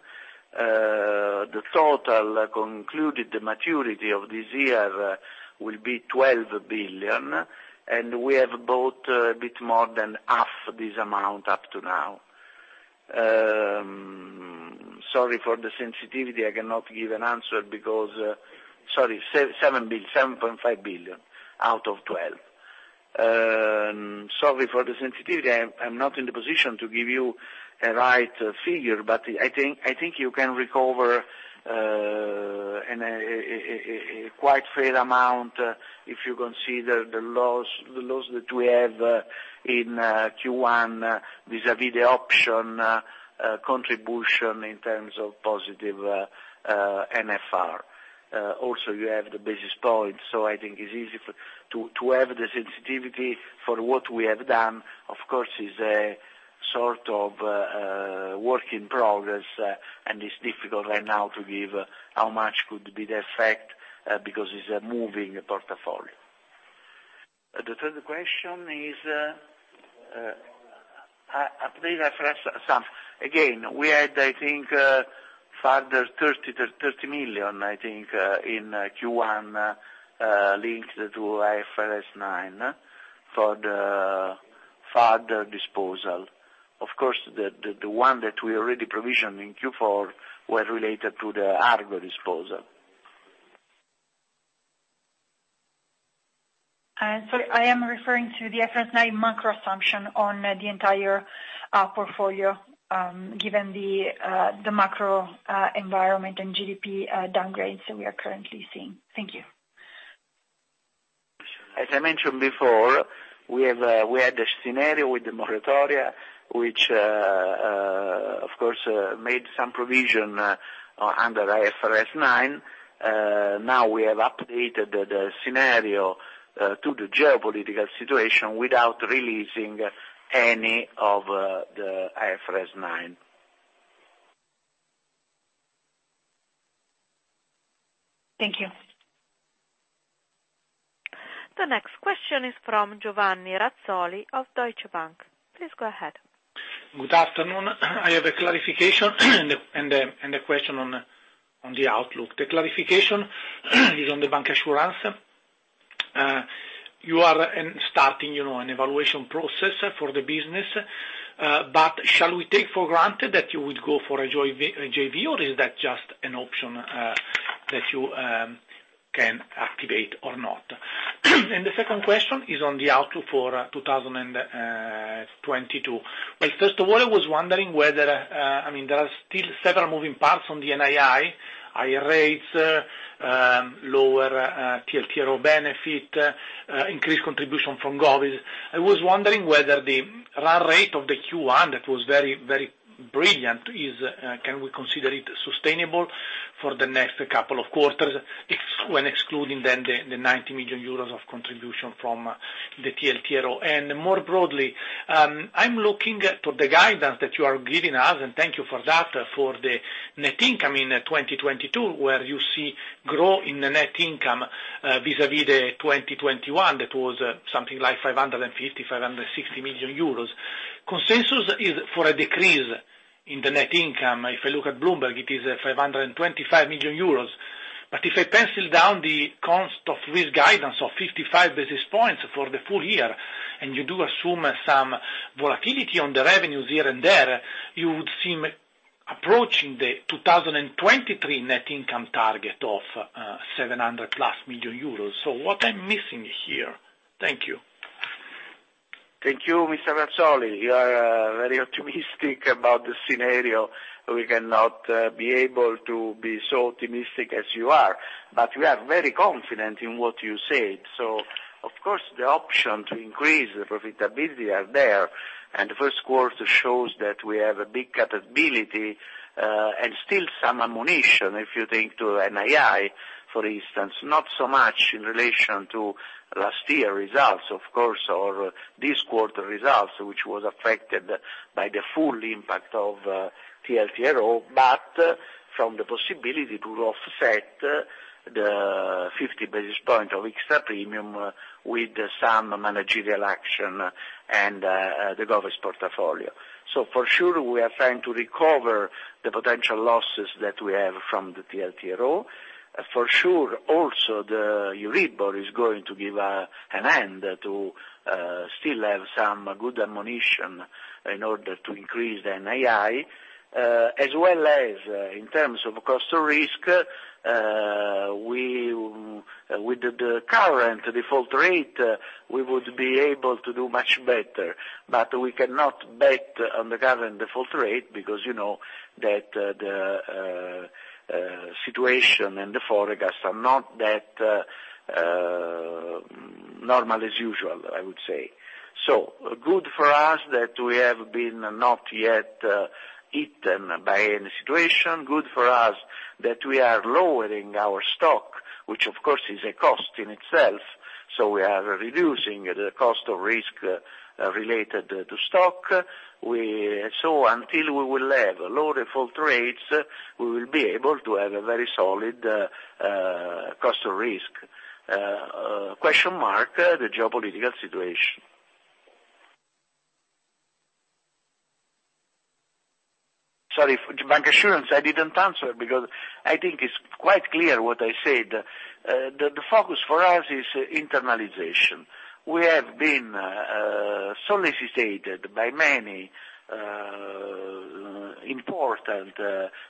The total concluded maturity of this year will be 12 billion, and we have bought a bit more than half this amount up to now. Sorry for the sensitivity, I cannot give an answer because. Sorry, 7.5 billion out of 12. Sorry for the sensitivity. I'm not in the position to give you a right figure, but I think you can recover a quite fair amount if you consider the loss that we have in Q1 vis-à-vis the option contribution in terms of positive NFR. Also you have the basis points, so I think it's easy for. To have the sensitivity for what we have done. Of course, it's a sort of work in progress, and it's difficult right now to give how much could be the effect, because it's a moving portfolio. The third question is, I believe I've addressed some. Again, we had, I think, further 30 million, I think, in Q1, linked to IFRS 9 for the further disposal. Of course, the one that we already provisioned in Q4 were related to the Agos disposal. Sorry, I am referring to the IFRS 9 macro assumption on the entire portfolio, given the macro environment and GDP downgrades that we are currently seeing. Thank you. As I mentioned before, we had a scenario with the moratoria which, of course, made some provision under IFRS 9. Now we have updated the scenario to the geopolitical situation without releasing any of the IFRS 9. Thank you. The next question is from Giovanni Razzoli of Deutsche Bank. Please go ahead. Good afternoon. I have a clarification and a question on the outlook. The clarification is on the bancassurance. You are starting, you know, an evaluation process for the business, but shall we take for granted that you would go for a JV, or is that just an option that you can activate or not? The second question is on the outlook for 2022. Well, first of all, I was wondering whether, I mean, there are still several moving parts on the NII, higher rates, lower TLTRO benefit, increased contribution from GOVs. I was wondering whether the run rate of the Q1 that was very, very brilliant is, can we consider it sustainable for the next couple of quarters excluding the 90 million euros of contribution from the TLTRO? More broadly, I'm looking at the guidance that you are giving us, and thank you for that, for the net income in 2022, where you see growth in the net income vis-à-vis the 2021 that was something like 560 million euros. Consensus is for a decrease in the net income. If I look at Bloomberg, it is 525 million euros. If I pencil down the cost of this guidance of 55 basis points for the full year, and you do assume some volatility on the revenues here and there, you would seem approaching the 2023 net income target of 700+ million euros. What I'm missing here? Thank you. Thank you, Mr. Razzoli. You are very optimistic about the scenario. We cannot be able to be so optimistic as you are, but we are very confident in what you said. Of course, the option to increase the profitability are there, and the first quarter shows that we have a big capability and still some ammunition, if you think to NII, for instance. Not so much in relation to last year results, of course, or this quarter results, which was affected by the full impact of TLTRO, but from the possibility to offset the 50 basis points of extra premium with some managerial action and the GOVs portfolio. For sure, we are trying to recover the potential losses that we have from the TLTRO. For sure, also, the EURIBOR is going to still have some good ammunition in order to increase the NII. As well as in terms of cost of risk, we with the current default rate would be able to do much better. We cannot bet on the current default rate because you know that the situation and the forecasts are not that normal as usual, I would say. Good for us that we have been not yet eaten by any situation. Good for us that we are lowering our stock, which of course is a cost in itself, so we are reducing the cost of risk related to stock. Until we will have lower default rates, we will be able to have a very solid cost of risk. Question on the geopolitical situation. Sorry for Banco insurance, I didn't answer because I think it's quite clear what I said. The focus for us is internalization. We have been solicited by many important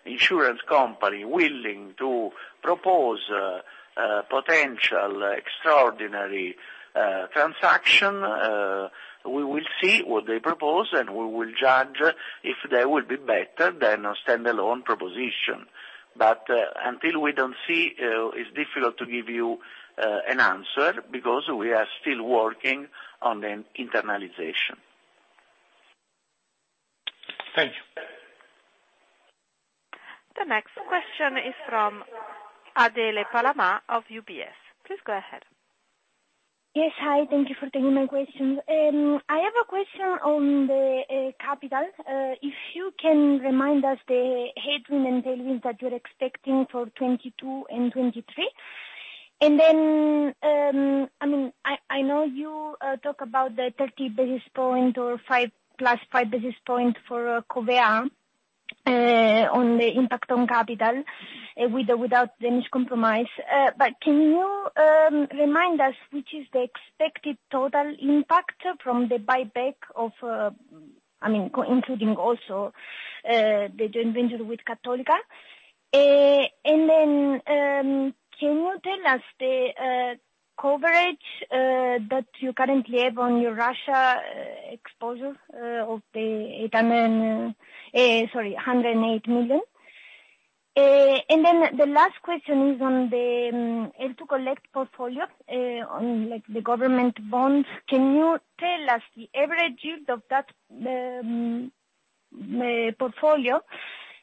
insurance company willing to propose a potential extraordinary transaction. We will see what they propose, and we will judge if they will be better than a standalone proposition. Until we don't see, it's difficult to give you an answer because we are still working on the internalization. Thank you. The next question is from Adele Palamà of UBS. Please go ahead. Yes. Hi. Thank you for taking my question. I have a question on the capital. If you can remind us the headwind and tailwind that you're expecting for 2022 and 2023. I mean, I know you talk about the 30 basis point or 5, plus 5 basis point for Covéa, on the impact on capital, with or without Danish Compromise. But can you remind us which is the expected total impact from the buyback of, I mean, including also, the joint venture with Cattolica. Can you tell us the coverage that you currently have on your Russia exposure, of the 108 million. The last question is on the hold to collect portfolio on like the government bonds. Can you tell us the average yield of that portfolio,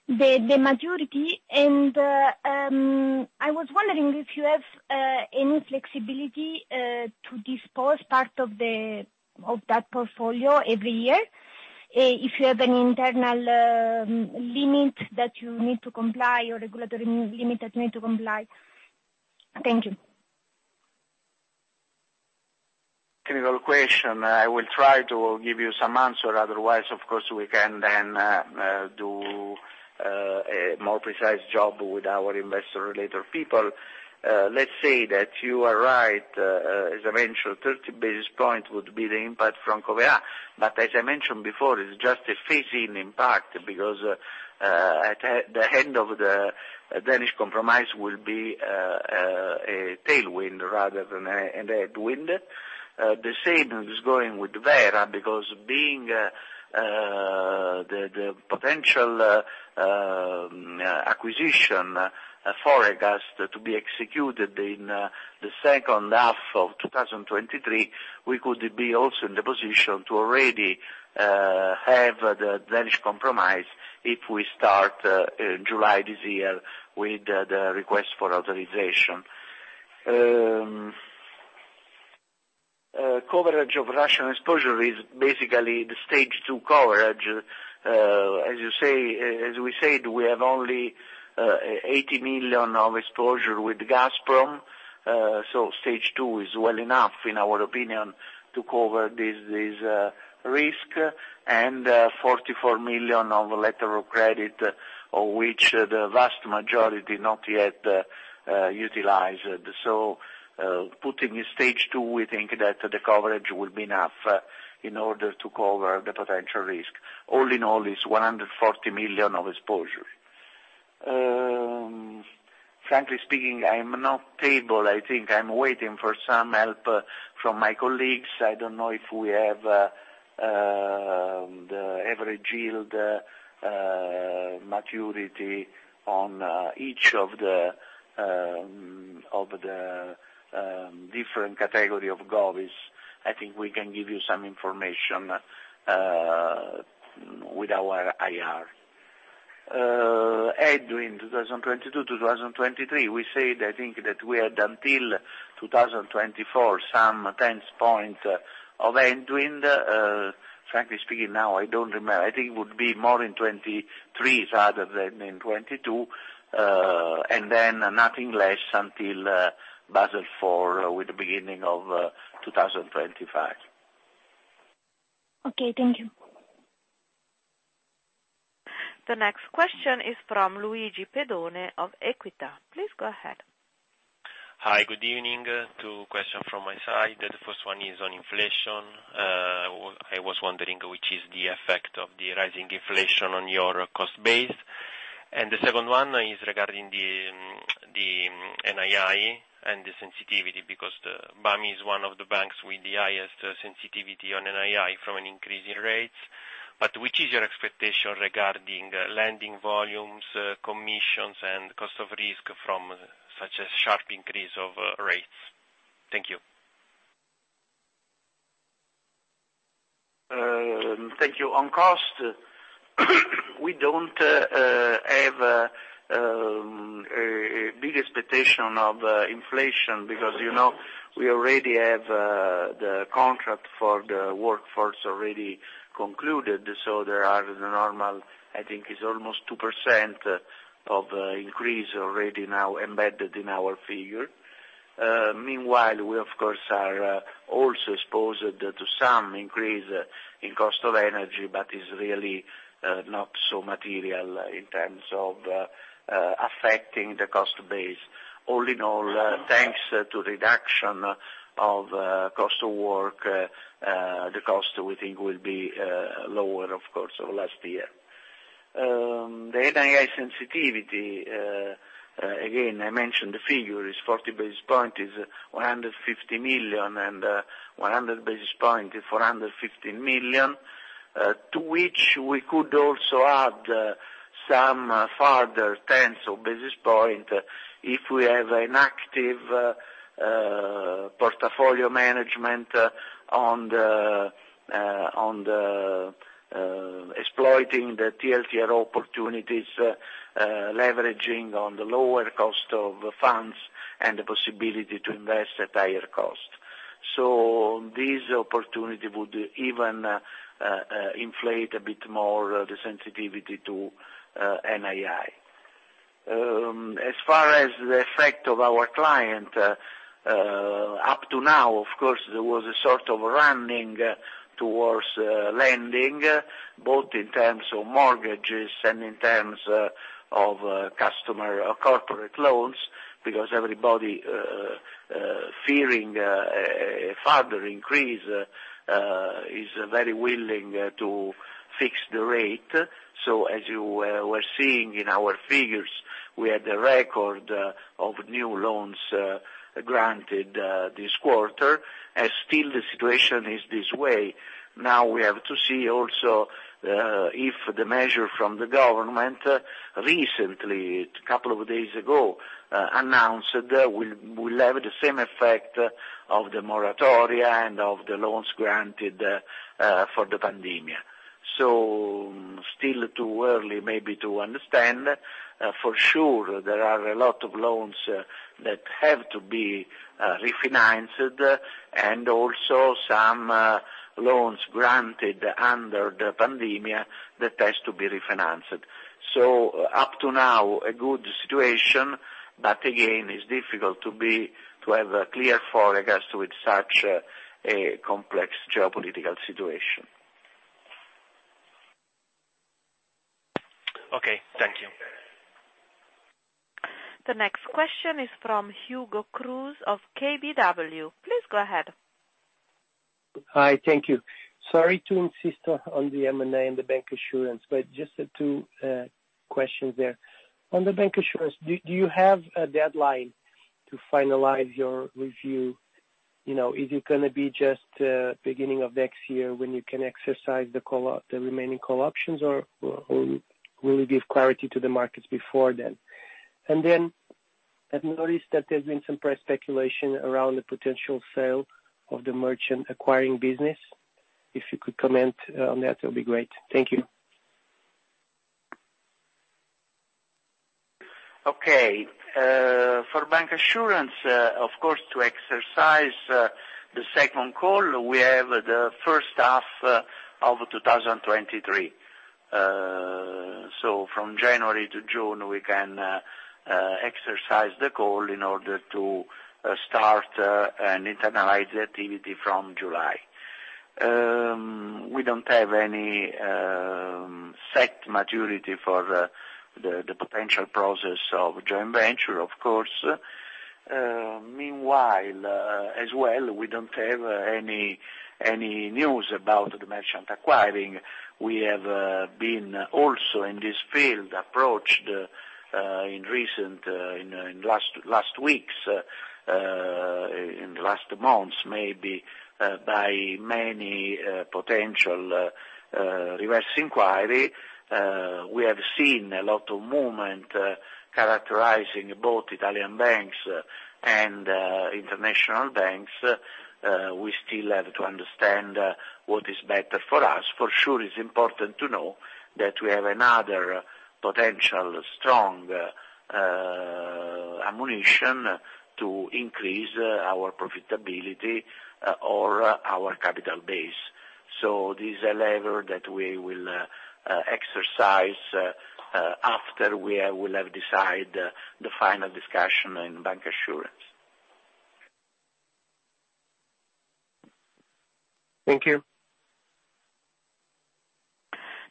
the maturity? I was wondering if you have any flexibility to dispose part of that portfolio every year, if you have an internal limit that you need to comply, or regulatory limit that you need to comply. Thank you. Technical question. I will try to give you some answer. Otherwise, of course, we can then do a more precise job with our Investor Relations people. Let's say that you are right. As I mentioned, 30 basis point would be the impact from Covéa. As I mentioned before, it's just a phase-in impact because at the end of the Danish Compromise will be a tailwind rather than a headwind. The same is going with Vera, because being the potential acquisition for us to be executed in the second half of 2023, we could be also in the position to already have the Danish Compromise if we start July this year with the request for authorization. Coverage of Russian exposure is basically the stage two coverage. As you say, as we said, we have only 80 million of exposure with Gazprom. So stage two is well enough, in our opinion, to cover this risk, and forty-four million of letter of credit of which the vast majority not yet utilized. Putting in stage two, we think that the coverage will be enough in order to cover the potential risk. All in all, it's 140 million of exposure. Frankly speaking, I'm not able. I think I'm waiting for some help from my colleagues. I don't know if we have the average yield, maturity on each of the different category of Govies. I think we can give you some information with our IR. Headwind 2022, 2023, we said. I think that we had until 2024 some 10 points of headwind. Frankly speaking, now I don't remember. I think it would be more in 2023 rather than in 2022. Nonetheless until Basel IV with the beginning of 2025. Okay. Thank you. The next question is from Luigi Pedone of Equita. Please go ahead. Hi. Good evening. Two question from my side. The first one is on inflation. I was wondering which is the effect of the rising inflation on your cost base. The second one is regarding the NII and the sensitivity because BAMI is one of the banks with the highest sensitivity on NII from an increase in rates. But which is your expectation regarding lending volumes, commissions and cost of risk from such a sharp increase of rates? Thank you. Thank you. On cost, we don't have a big expectation of inflation because, you know, we already have the contract for the workforce already concluded, so there are the normal. I think it's almost 2% of increase already now embedded in our figure. Meanwhile, we of course are also exposed to some increase in cost of energy, but is really not so material in terms of affecting the cost base. All in all, thanks to reduction of cost of work, the cost we think will be lower, of course, over last year. The NII sensitivity, again, I mentioned the figure is 40 basis point is 150 million, and 100 basis point is 450 million, to which we could also add some further tens of basis point if we have an active portfolio management on the exploiting the TLTRO opportunities, leveraging on the lower cost of funds and the possibility to invest at higher cost. This opportunity would even inflate a bit more the sensitivity to NII. As far as the effects on our clients up to now, of course, there was a sort of running towards lending, both in terms of mortgages and in terms of customer or corporate loans, because everybody fearing a further increase is very willing to fix the rate. As you were seeing in our figures, we had a record of new loans granted this quarter, and still the situation is this way. Now we have to see also if the measure from the government recently, a couple of days ago, announced will have the same effect of the moratoria and of the loans granted for the pandemic. Still too early maybe to understand. For sure there are a lot of loans that have to be refinanced, and also some loans granted under the pandemic that has to be refinanced. Up to now, a good situation, but again, it's difficult to have a clear forecast with such a complex geopolitical situation. Okay, thank you. The next question is from Hugo Cruz of KBW. Please go ahead. Hi, thank you. Sorry to insist on the M&A and the bancassurance, but just two questions there. On the bancassurance, do you have a deadline to finalize your review? You know, is it gonna be just beginning of next year when you can exercise the remaining call options, or will you give clarity to the markets before then? And then I've noticed that there's been some press speculation around the potential sale of the merchant acquiring business. If you could comment on that would be great. Thank you. Okay. For bancassurance, of course, to exercise the second call, we have the first half of 2023. From January to June, we can exercise the call in order to start and internalize the activity from July. We don't have any set maturity for the potential process of joint venture, of course. Meanwhile, as well, we don't have any news about the merchant acquiring. We have been also in this field approached in recent weeks, in the last months, maybe, by many potential reverse inquiry. We have seen a lot of movement characterizing both Italian banks and international banks. We still have to understand what is better for us. For sure it's important to know that we have another potential strong ammunition to increase our profitability or our capital base. This is a lever that we will exercise after we will have decide the final discussion in bancassurance. Thank you.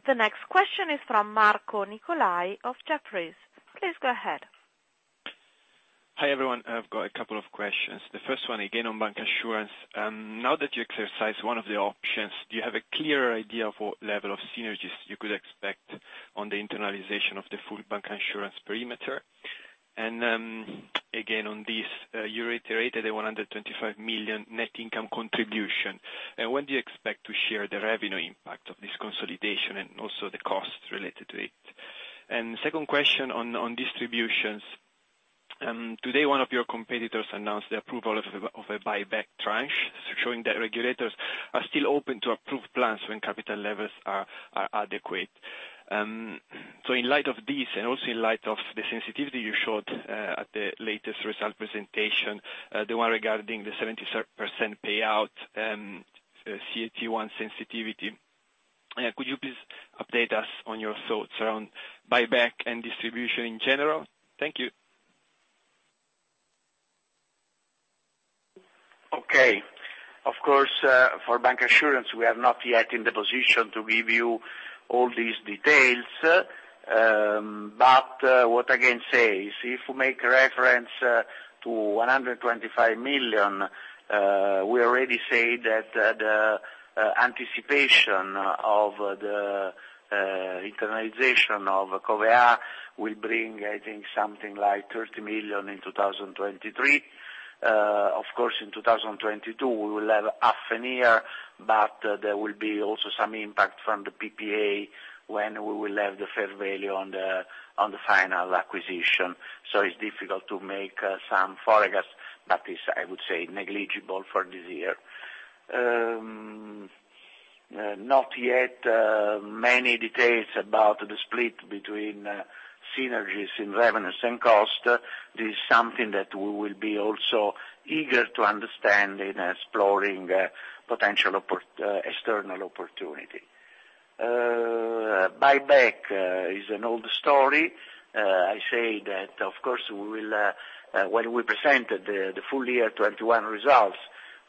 The next question is from Marco Nicolai of Jefferies. Please go ahead. Hi, everyone. I've got a couple of questions. The first one again on bancassurance. Now that you exercised one of the options, do you have a clearer idea of what level of synergies you could expect on the internalization of the full bancassurance perimeter? And, again, on this, you reiterated the 125 million net income contribution. When do you expect to share the revenue impact of this consolidation and also the cost related to it? Second question on distributions. Today, one of your competitors announced the approval of a buyback tranche, showing that regulators are still open to approved plans when capital levels are adequate. In light of this, and also in light of the sensitivity you showed at the latest result presentation, the one regarding the 70% payout and CET1 sensitivity, could you please update us on your thoughts around buyback and distribution in general? Thank you. Okay. Of course, for bancassurance, we are not yet in the position to give you all these details. What I can say is if you make reference to 125 million, we already say that the anticipation of the internalization of Covéa will bring, I think, something like 30 million in 2023. Of course, in 2022, we will have half a year, but there will be also some impact from the PPA when we will have the fair value on the final acquisition. It's difficult to make some forecast, but it's, I would say, negligible for this year. Not yet many details about the split between synergies in revenues and cost. This is something that we will be also eager to understand in exploring potential external opportunity. Buyback is an old story. I say that, of course, we will, when we present the full year 2021 results,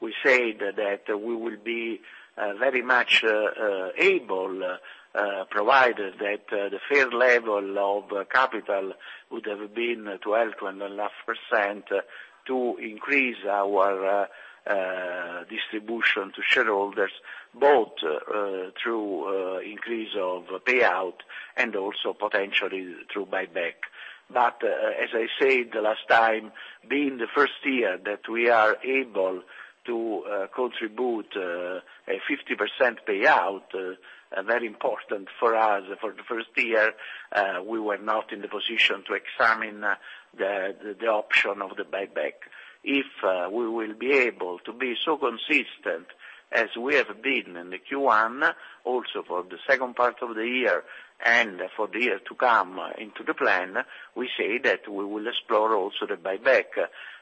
we said that we will be very much able, provided that the fair level of capital would have been 12.5% to increase our distribution to shareholders both through increase of payout and also potentially through buyback. As I said the last time, being the first year that we are able to contribute a 50% payout, very important for us. For the first year, we were not in the position to examine the option of the buyback. If we will be able to be so consistent as we have been in the Q1, also for the second part of the year and for the year to come into the plan, we say that we will explore also the buyback.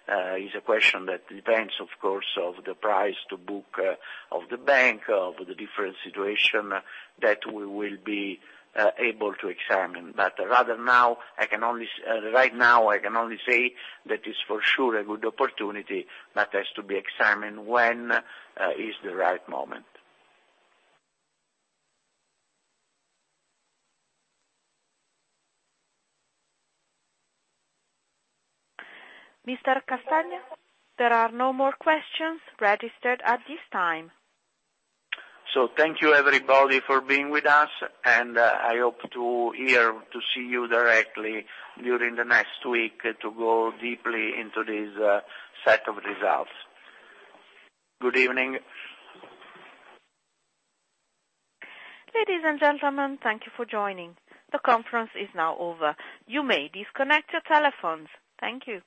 Is a question that depends, of course, on the price to book of the bank, of the different situation that we will be able to examine. But right now, I can only say that is for sure a good opportunity, but has to be examined when is the right moment. Mr. Castagna, there are no more questions registered at this time. Thank you, everybody, for being with us, and I hope to see you directly during the next week to go deeply into this set of results. Good evening. Ladies and gentlemen, thank you for joining. The conference is now over. You may disconnect your telephones. Thank you.